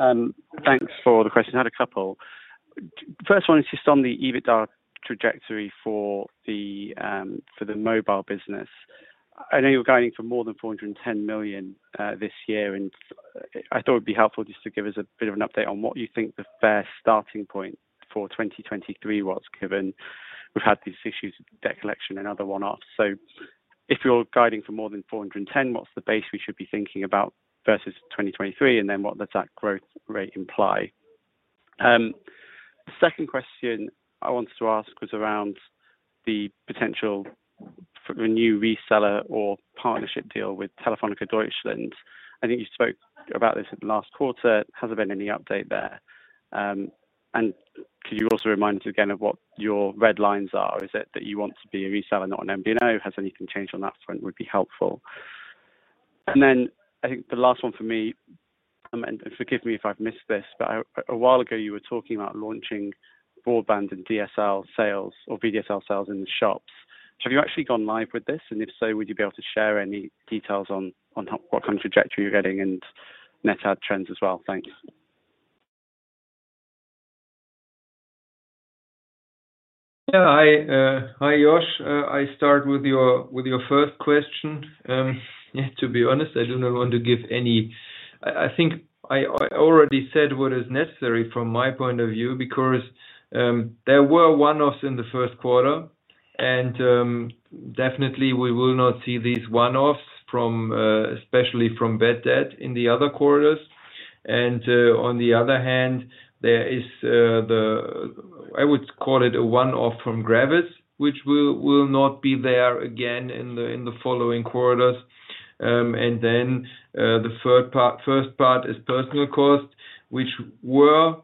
thanks for the question. I had a couple. First one is just on the EBITDA trajectory for the mobile business. I know you're guiding for more than 410 million this year, and I thought it'd be helpful just to give us a bit of an update on what you think the fair starting point for 2023 was, given we've had these issues with debt collection and other one-offs. So if you're guiding for more than 410 million, what's the base we should be thinking about versus 2023? And then what does that growth rate imply? The second question I wanted to ask was around the potential for a new reseller or partnership deal with Telefónica Deutschland. I think you spoke about this in the last quarter. Has there been any update there? And can you also remind us again of what your red lines are? Is it that you want to be a reseller, not an MVNO? Has anything changed on that front? Would be helpful. And then I think the last one for me, and forgive me if I've missed this, but a while ago you were talking about launching broadband and DSL sales or VDSL sales in the shops. So have you actually gone live with this? And if so, would you be able to share any details on what kind of trajectory you're getting and net add trends as well? Thanks. Yeah. Hi, hi, Josh. I start with your first question. Yeah, to be honest, I do not want to give any... I think I already said what is necessary from my point of view, because there were one-offs in the first quarter, and definitely we will not see these one-offs from, especially from bad debt in the other quarters. And on the other hand, there is the, I would call it a one-off from GRAVIS, which will not be there again in the following quarters. And then the third part first part is personnel costs, which were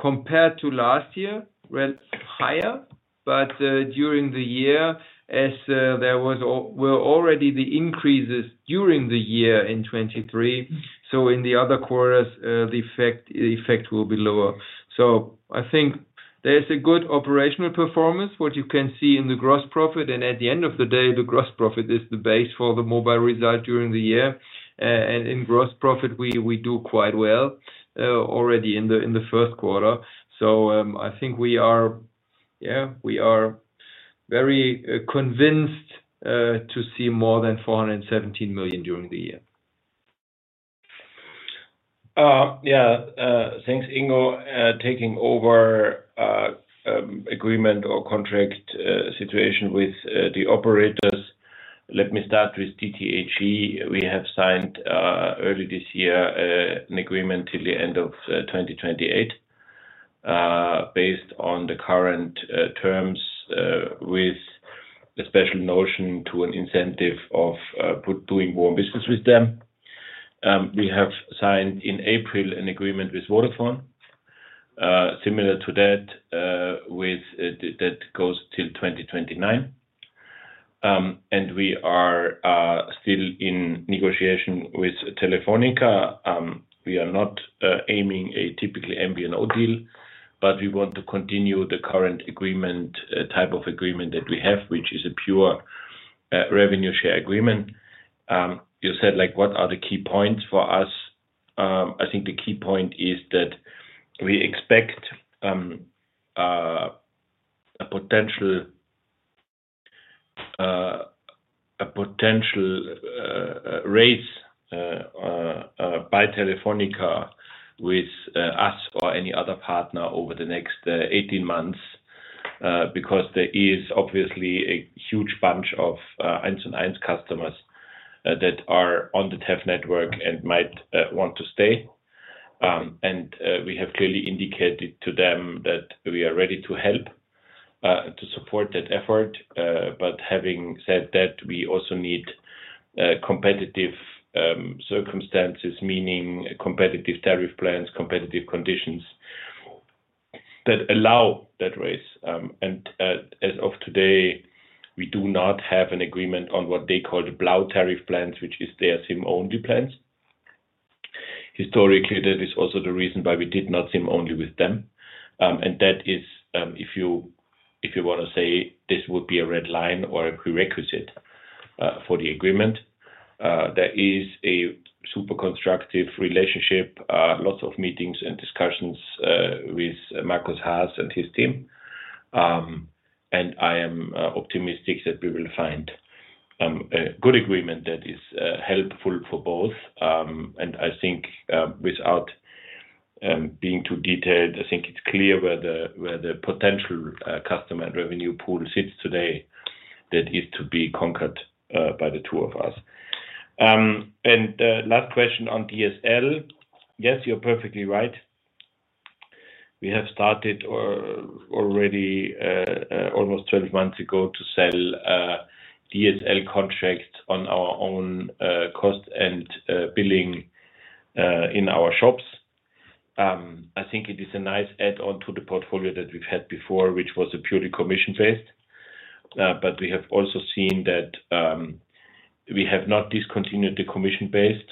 compared to last year, went higher. But during the year, as there were already the increases during the year in 2023, so in the other quarters, the effect will be lower. So I think there's a good operational performance, what you can see in the gross profit, and at the end of the day, the gross profit is the base for the mobile result during the year. And in gross profit, we do quite well already in the first quarter. So I think we are very convinced to see more than 417 million during the year. Yeah, thanks, Ingo. Taking over agreement or contract situation with the operators. Let me start with DT. We have signed early this year an agreement till the end of 2028 based on the current terms with a special notion to an incentive of doing more business with them. We have signed in April an agreement with Vodafone similar to that with that goes till 2029. And we are still in negotiation with Telefónica. We are not aiming a typically MVNO deal, but we want to continue the current agreement type of agreement that we have, which is a pure revenue share agreement. You said, like, what are the key points for us? I think the key point is that we expect a potential raise by Telefónica with us or any other partner over the next 18 months. Because there is obviously a huge bunch of 1&1 customers that are on the TEF network and might want to stay. We have clearly indicated to them that we are ready to help to support that effort. But having said that, we also need competitive circumstances, meaning competitive tariff plans, competitive conditions that allow that raise. As of today, we do not have an agreement on what they call the Blau tariff plans, which is their SIM-only plans. Historically, that is also the reason why we did not SIM-only with them. And that is, if you, if you wanna say this would be a red line or a prerequisite, for the agreement, that is a super constructive relationship. Lots of meetings and discussions, with Marcus Haas and his team. And I am, optimistic that we will find, a good agreement that is, helpful for both. And I think, without, being too detailed, I think it's clear where the potential, customer and revenue pool sits today that is to be conquered, by the two of us. And, last question on DSL. Yes, you're perfectly right. We have started or already, almost 12 months ago, to sell, DSL contracts on our own, cost and, billing, in our shops. I think it is a nice add-on to the portfolio that we've had before, which was a purely commission-based. But we have also seen that we have not discontinued the commission-based.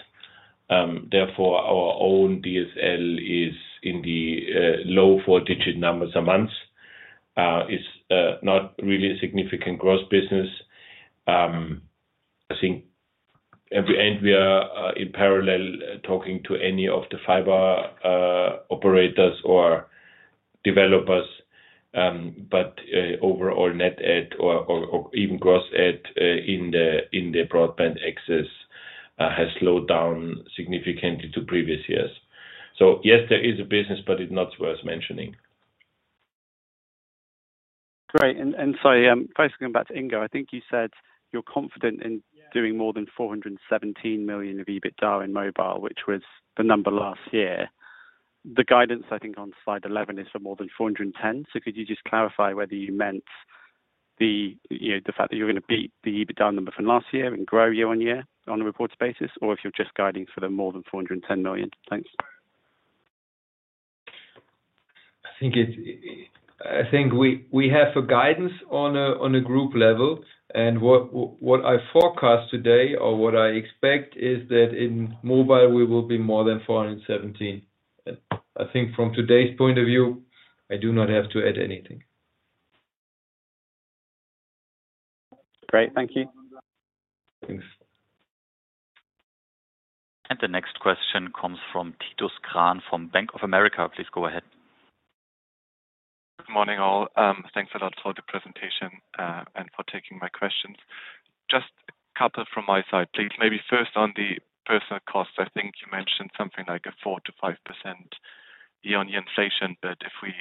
Therefore, our own DSL is in the low four-digit numbers a month. It's not really a significant growth business. I think, and we are in parallel talking to any of the fiber operators or developers. But overall net add or even gross add in the broadband access has slowed down significantly to previous years. So yes, there is a business, but it's not worth mentioning. Great. So, first going back to Ingo, I think you said you're confident in doing more than 417 million of EBITDA in mobile, which was the number last year. The guidance, I think, on slide 11, is for more than 410 million. So could you just clarify whether you meant the, you know, the fact that you're gonna beat the EBITDA number from last year and grow year-on-year on a reported basis, or if you're just guiding for the more than 410 million? Thanks. I think we have a guidance on a group level, and what I forecast today or what I expect is that in mobile, we will be more than 417. I think from today's point of view, I do not have to add anything. Great. Thank you. Thanks. The next question comes from Titus Krahn from Bank of America. Please go ahead. Good morning, all. Thanks a lot for the presentation and for taking my questions. Just a couple from my side, please. Maybe first on the personnel costs. I think you mentioned something like 4%-5% year-on-year inflation, but if we,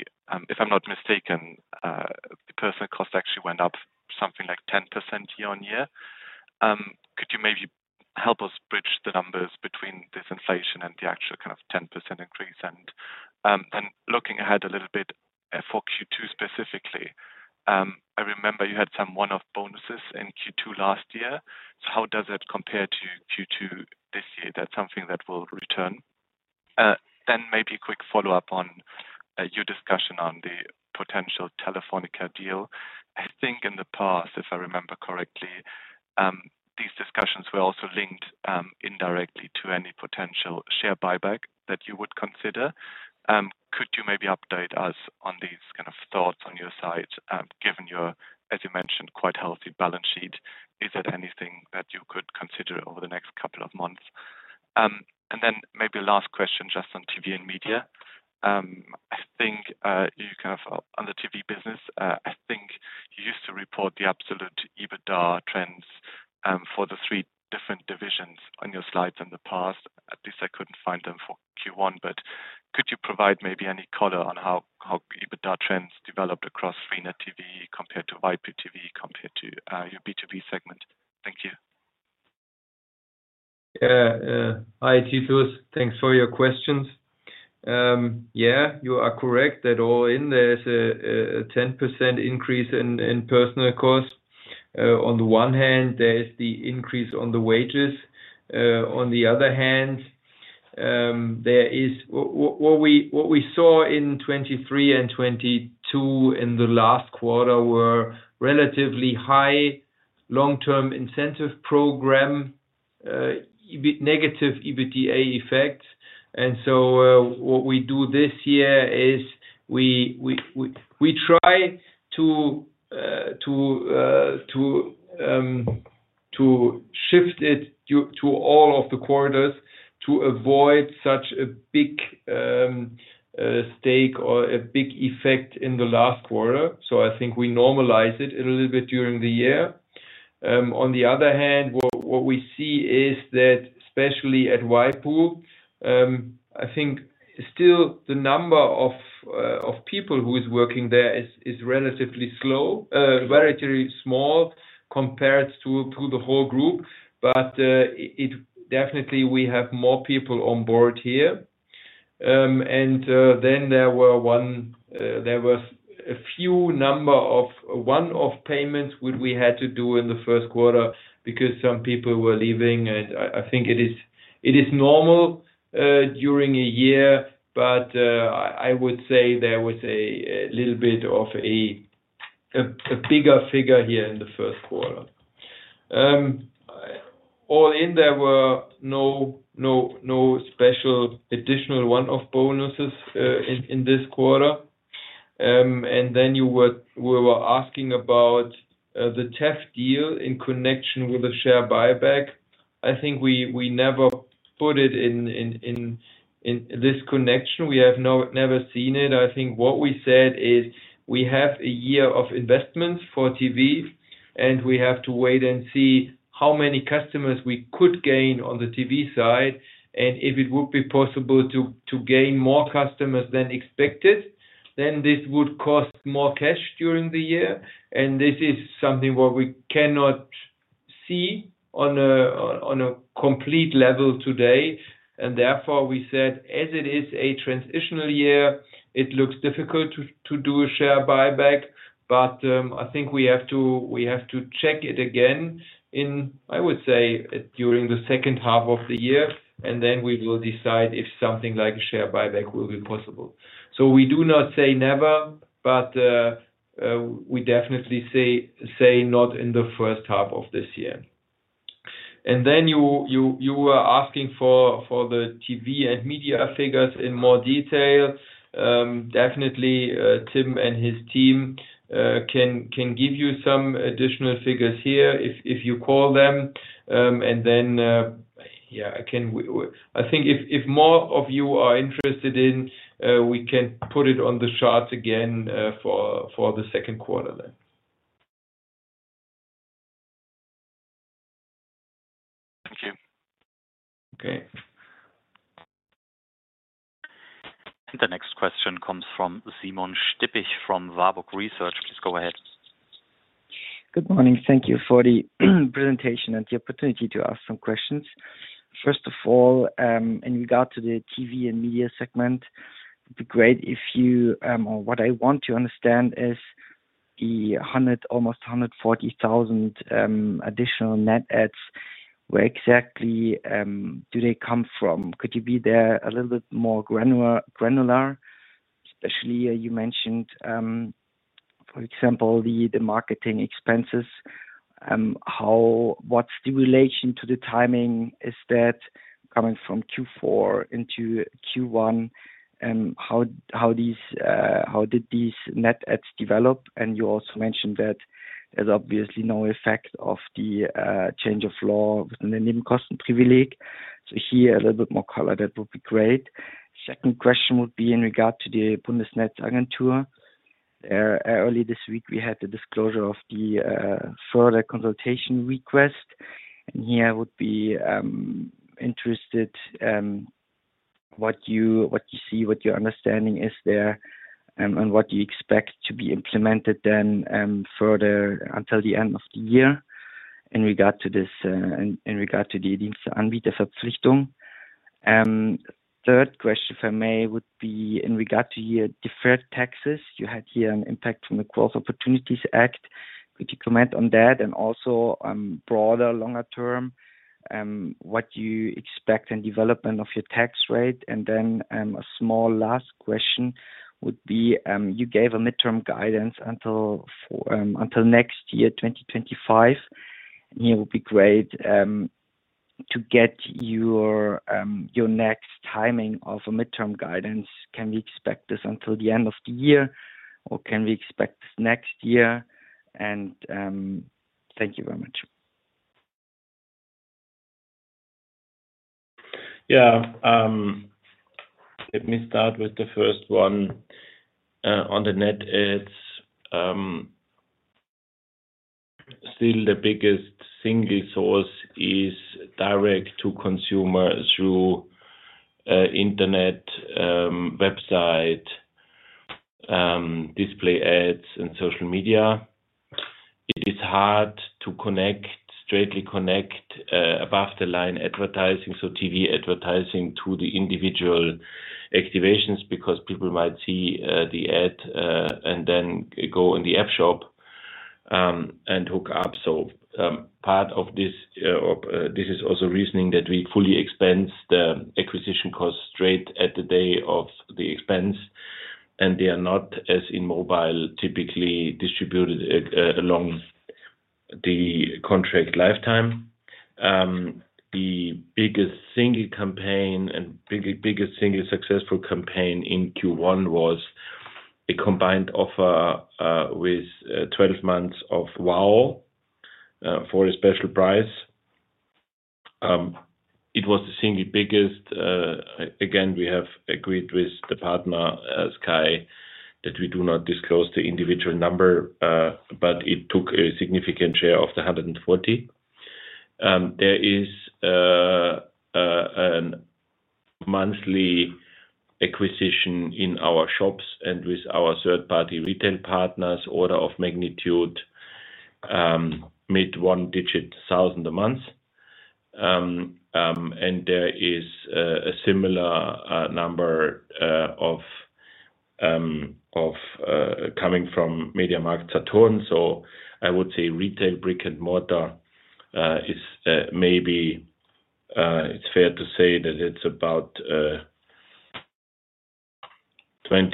if I'm not mistaken, the personnel cost actually went up something like 10% year-on-year. Could you maybe help us bridge the numbers between this inflation and the actual kind of 10% increase? And, and looking ahead a little bit, for Q2 specifically, I remember you had some one-off bonuses in Q2 last year. So how does that compare to Q2 this year? That's something that will return. Then maybe a quick follow-up on your discussion on the potential Telefónica deal. I think in the past, if I remember correctly, these discussions were also linked, indirectly to any potential share buyback that you would consider. Could you maybe update us on these kind of thoughts on your side, given your, as you mentioned, quite healthy balance sheet, is there anything that you could consider over the next couple of months? Then maybe last question, just on TV and media. I think, you kind of, on the TV business, I think you used to report the absolute EBITDA trends, for the three different divisions on your slides in the past. At least I couldn't find them for Q1, but could you provide maybe any color on how, how EBITDA trends developed across freenet TV compared to waipu.tv, compared to, your B2B segment? Thank you. Yeah, hi, Titus. Thanks for your questions. Yeah, you are correct that all in, there's a 10% increase in personnel costs. On the one hand, there's the increase on the wages. On the other hand, there is what we saw in 2023 and 2022 in the last quarter were relatively high long-term incentive program negative EBITDA effects. And so, what we do this year is we try to shift it to all of the quarters to avoid such a big stake or a big effect in the last quarter. So I think we normalize it a little bit during the year. On the other hand, what we see is that, especially at waipu, I think still the number of people who is working there is relatively slow, relatively small compared to the whole group. But it definitely we have more people on board here. And then there was a few number of one-off payments, which we had to do in the first quarter because some people were leaving, and I think it is normal during a year, but I would say there was a little bit of a bigger figure here in the first quarter. All in, there were no special additional one-off bonuses in this quarter. And then you were asking about the Tef deal in connection with the share buyback. I think we never put it in this connection. We have never seen it. I think what we said is we have a year of investments for TV, and we have to wait and see how many customers we could gain on the TV side, and if it would be possible to gain more customers than expected, then this would cost more cash during the year. This is something what we cannot see on a complete level today, and therefore, we said, as it is a transitional year, it looks difficult to do a share buyback, but I think we have to check it again in, I would say, during the second half of the year, and then we will decide if something like a share buyback will be possible. So we do not say never but, we definitely say not in the first half of this year. And then you were asking for the TV and media figures in more detail. Definitely, Tim and his team can give you some additional figures here if you call them. And then, I think if more of you are interested in, we can put it on the charts again, for the second quarter then. Thank you. Okay. The next question comes from Simon Stippig, from Warburg Research. Please go ahead. Good morning. Thank you for the presentation and the opportunity to ask some questions. First of all, in regard to the TV and media segment, it'd be great if you, or what I want to understand is the almost 140,000 additional net adds, where exactly do they come from? Could you be there a little bit more granular? Especially, you mentioned, for example, the marketing expenses, how what's the relation to the timing? Is that coming from Q4 into Q1? And how did these net adds develop? And you also mentioned that there's obviously no effect of the change of law in the So here, a little bit more color, that would be great. Second question would be in regard to the Bundesnetzagentur. Early this week, we had the disclosure of the further consultation request, and here I would be interested what you see, what your understanding is there, and what you expect to be implemented then further until the end of the year in regard to this, in regard to the third question, if I may, would be in regard to your deferred taxes. You had here an impact from the Growth Opportunities Act. Could you comment on that? And also, broader, longer term, what you expect in development of your tax rate. And then, a small last question would be, you gave a midterm guidance until for until next year, 2025. And it would be great to get your next timing of a midterm guidance. Can we expect this until the end of the year, or can we expect this next year? And thank you very much. Yeah, let me start with the first one, on the net adds. Still the biggest single source is direct to consumer through internet, website, display ads and social media. It is hard to connect, strictly connect, above the line advertising, so TV advertising to the individual activations, because people might see the ad and then go in the app shop and hook up. So, part of this, this is also reasoning that we fully expense the acquisition costs straight at the day of the expense, and they are not, as in mobile, typically distributed along the contract lifetime. The biggest single campaign and biggest single successful campaign in Q1 was a combined offer with 12 months of WOW for a special price. It was the single biggest. Again, we have agreed with the partner, Sky, that we do not disclose the individual number, but it took a significant share of the 140. There is a monthly acquisition in our shops and with our third-party retail partners, order of magnitude, mid-1-digit thousand a month. And there is a similar number of coming from MediaMarktSaturn. So I would say retail, brick and mortar, is maybe, it's fair to say that it's about 20%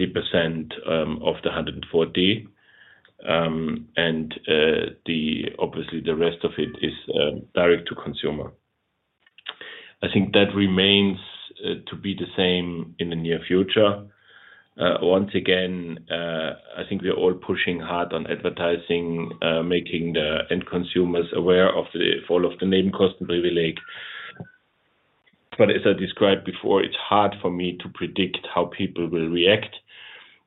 of the 140. And obviously the rest of it is direct to consumer. I think that remains to be the same in the near future. Once again, I think we are all pushing hard on advertising, making the end consumers aware of the fall of the bulk as I described before. It's hard for me to predict how people will react,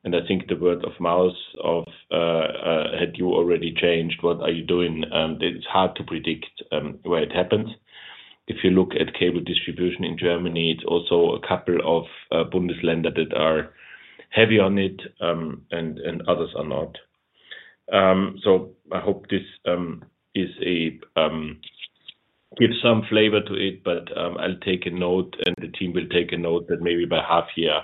and I think the word of mouth of "Had you already changed? What are you doing?" It's hard to predict the way it happens. If you look at cable distribution in Germany, it's also a couple of Bundesländer that are heavy on it, and others are not. So I hope this gives some flavor to it, but I'll take a note, and the team will take a note that maybe by half year,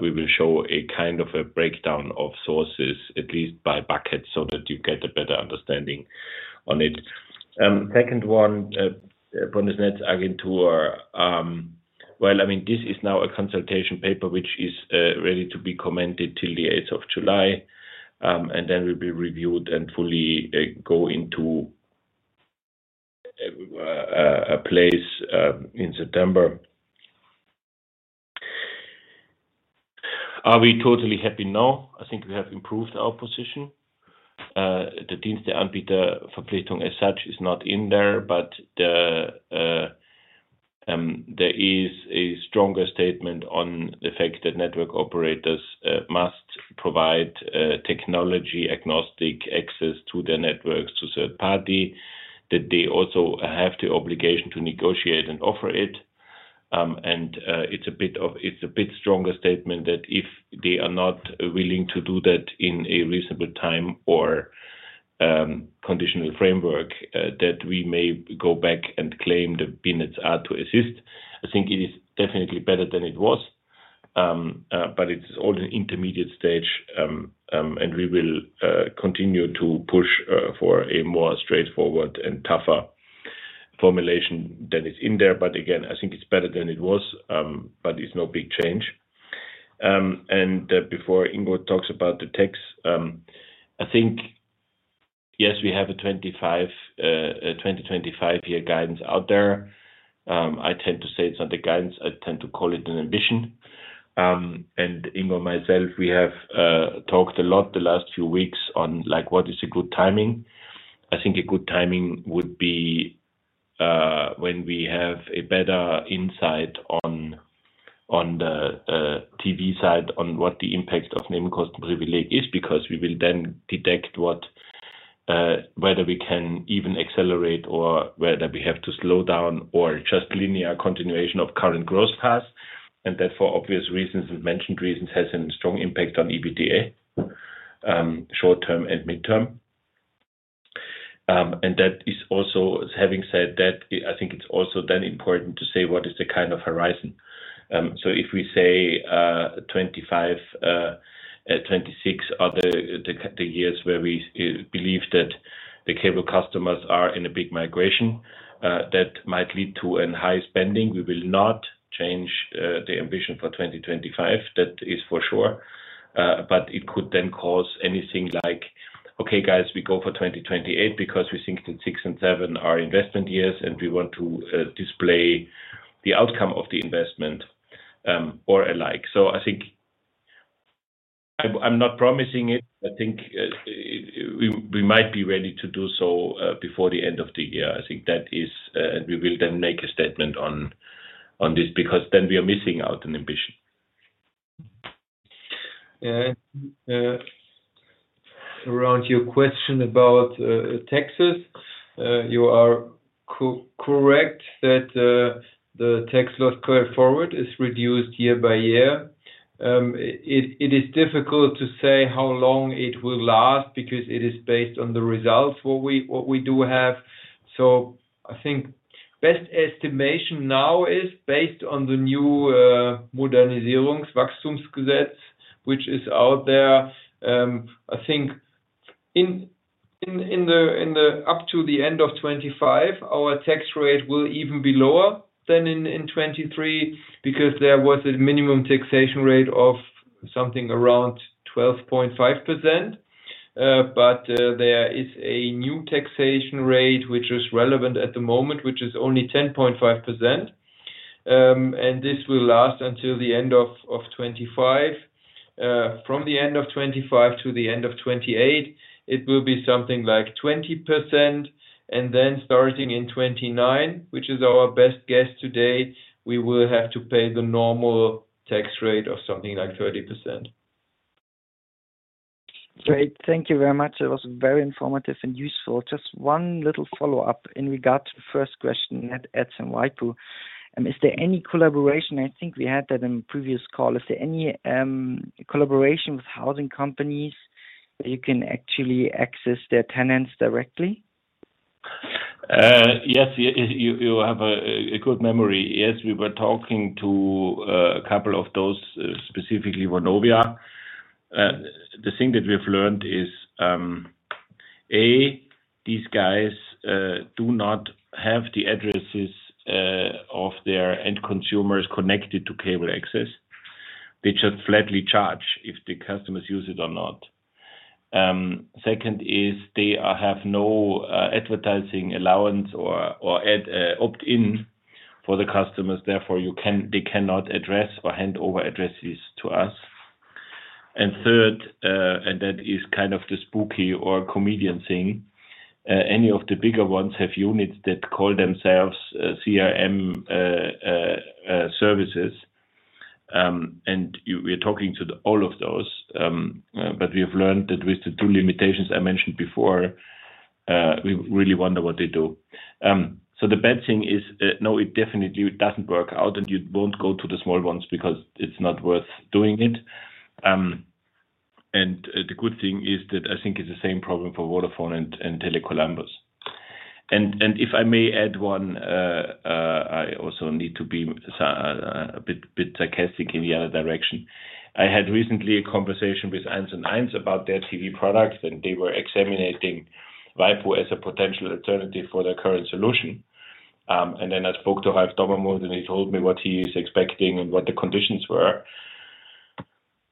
we will show a kind of a breakdown of sources, at least by bucket, so that you get a better understanding on it. Second one, Bundesnetzagentur. Well, I mean, this is now a consultation paper, which is ready to be commented till the eighth of July. And then will be reviewed and fully go into a place in September. Are we totally happy? No. I think we have improved our position. The Anbietungsverpflichtung, as such, is not in there, but there is a stronger statement on the fact that network operators must provide technology-agnostic access to their networks to third party, that they also have the obligation to negotiate and offer it. And it's a bit stronger statement that if they are not willing to do that in a reasonable time or conditional framework, that we may go back and claim the BNetzA to assist. I think it is definitely better than it was. But it's all an intermediate stage, and we will continue to push for a more straightforward and tougher formulation than is in there. But again, I think it's better than it was, but it's no big change. And before Ingo talks about the tax, I think, yes, we have a 25, a 2025 year guidance out there. I tend to say it's not a guidance, I tend to call it an ambition. And Ingo and myself, we have talked a lot the last few weeks on, like, what is a good timing. I think a good timing would be when we have a better insight on the TV side on what the impact of Nebenkostenprivileg is, because we will then detect what whether we can even accelerate or whether we have to slow down or just linear continuation of current growth paths, and that for obvious reasons, as mentioned, reasons has a strong impact on EBITDA short term and midterm. And that is also... Having said that, I think it's also then important to say, what is the kind of horizon? So if we say 25, 26 are the years where we believe that the cable customers are in a big migration that might lead to an high spending. We will not change the ambition for 2025, that is for sure. But it could then cause anything like, "Okay, guys, we go for 2028 because we think that six and seven are investment years, and we want to display the outcome of the investment," or alike. So I think I'm not promising it, but I think we might be ready to do so before the end of the year. I think that is, we will then make a statement on this, because then we are missing out an ambition. Yeah, around your question about taxes. You are correct that the tax loss going forward is reduced year by year. It is difficult to say how long it will last because it is based on the results what we do have. So I think best estimation now is based on the new Modernisierungs Wachstumsgesetz, which is out there. I think in the up to the end of 2025, our tax rate will even be lower than in 2023, because there was a minimum taxation rate of something around 12.5%. But there is a new taxation rate, which is relevant at the moment, which is only 10.5%. And this will last until the end of 2025. From the end of 2025 to the end of 2028, it will be something like 20%. And then starting in 2029, which is our best guess to date, we will have to pay the normal tax rate of something like 30%. Great. Thank you very much. That was very informative and useful. Just one little follow-up in regards to the first question you had at waipu.tv. Is there any collaboration I think we had that in previous call. Is there any collaboration with housing companies that you can actually access their tenants directly? Yes, you have a good memory. Yes, we were talking to a couple of those, specifically Vonovia. The thing that we've learned is, these guys do not have the addresses of their end consumers connected to cable access. They just flatly charge if the customers use it or not. Second is, they have no advertising allowance or ad opt-in for the customers, therefore, you can they cannot address or hand over addresses to us. And third, and that is kind of the spooky or comedian thing, any of the bigger ones have units that call themselves CRM services. And we're talking to all of those, but we have learned that with the two limitations I mentioned before, we really wonder what they do. So the bad thing is, no, it definitely doesn't work out, and you won't go to the small ones because it's not worth doing it. And the good thing is that I think it's the same problem for Vodafone and Tele Columbus. And if I may add one, I also need to be a bit sarcastic in the other direction. I had recently a conversation with Ernst about their TV products, and they were examining waipu as a potential alternative for their current solution. And then I spoke to Ralph Dommermuth, and he told me what he is expecting and what the conditions were.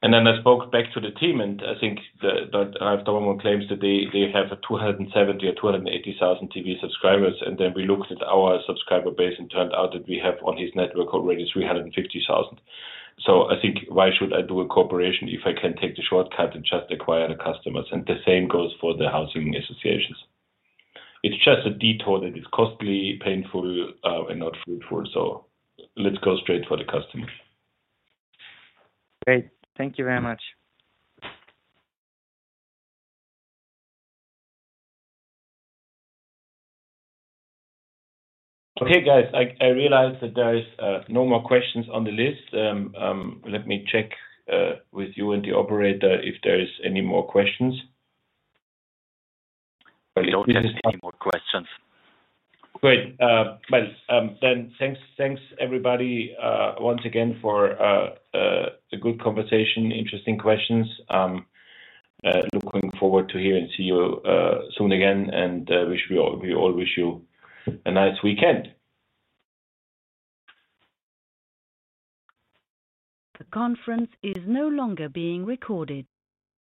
And then I spoke back to the team, and I think that that Ralph Dommermuth claims that they have a 270 or 280 thousand TV subscribers, and then we looked at our subscriber base, and turned out that we have on his network already 350 thousand. So I think why should I do a cooperation if I can take the shortcut and just acquire the customers? And the same goes for the housing associations. It's just a detour that is costly, painful, and not fruitful, so let's go straight for the customers. Great. Thank you very much. Okay, guys, I realize that there is no more questions on the list. Let me check with you and the operator if there is any more questions. We don't have any more questions. Great. Well, then thanks, thanks, everybody, once again, for the good conversation, interesting questions. Looking forward to hear and see you, soon again, and wish we all- we all wish you a nice weekend. The conference is no longer being recorded.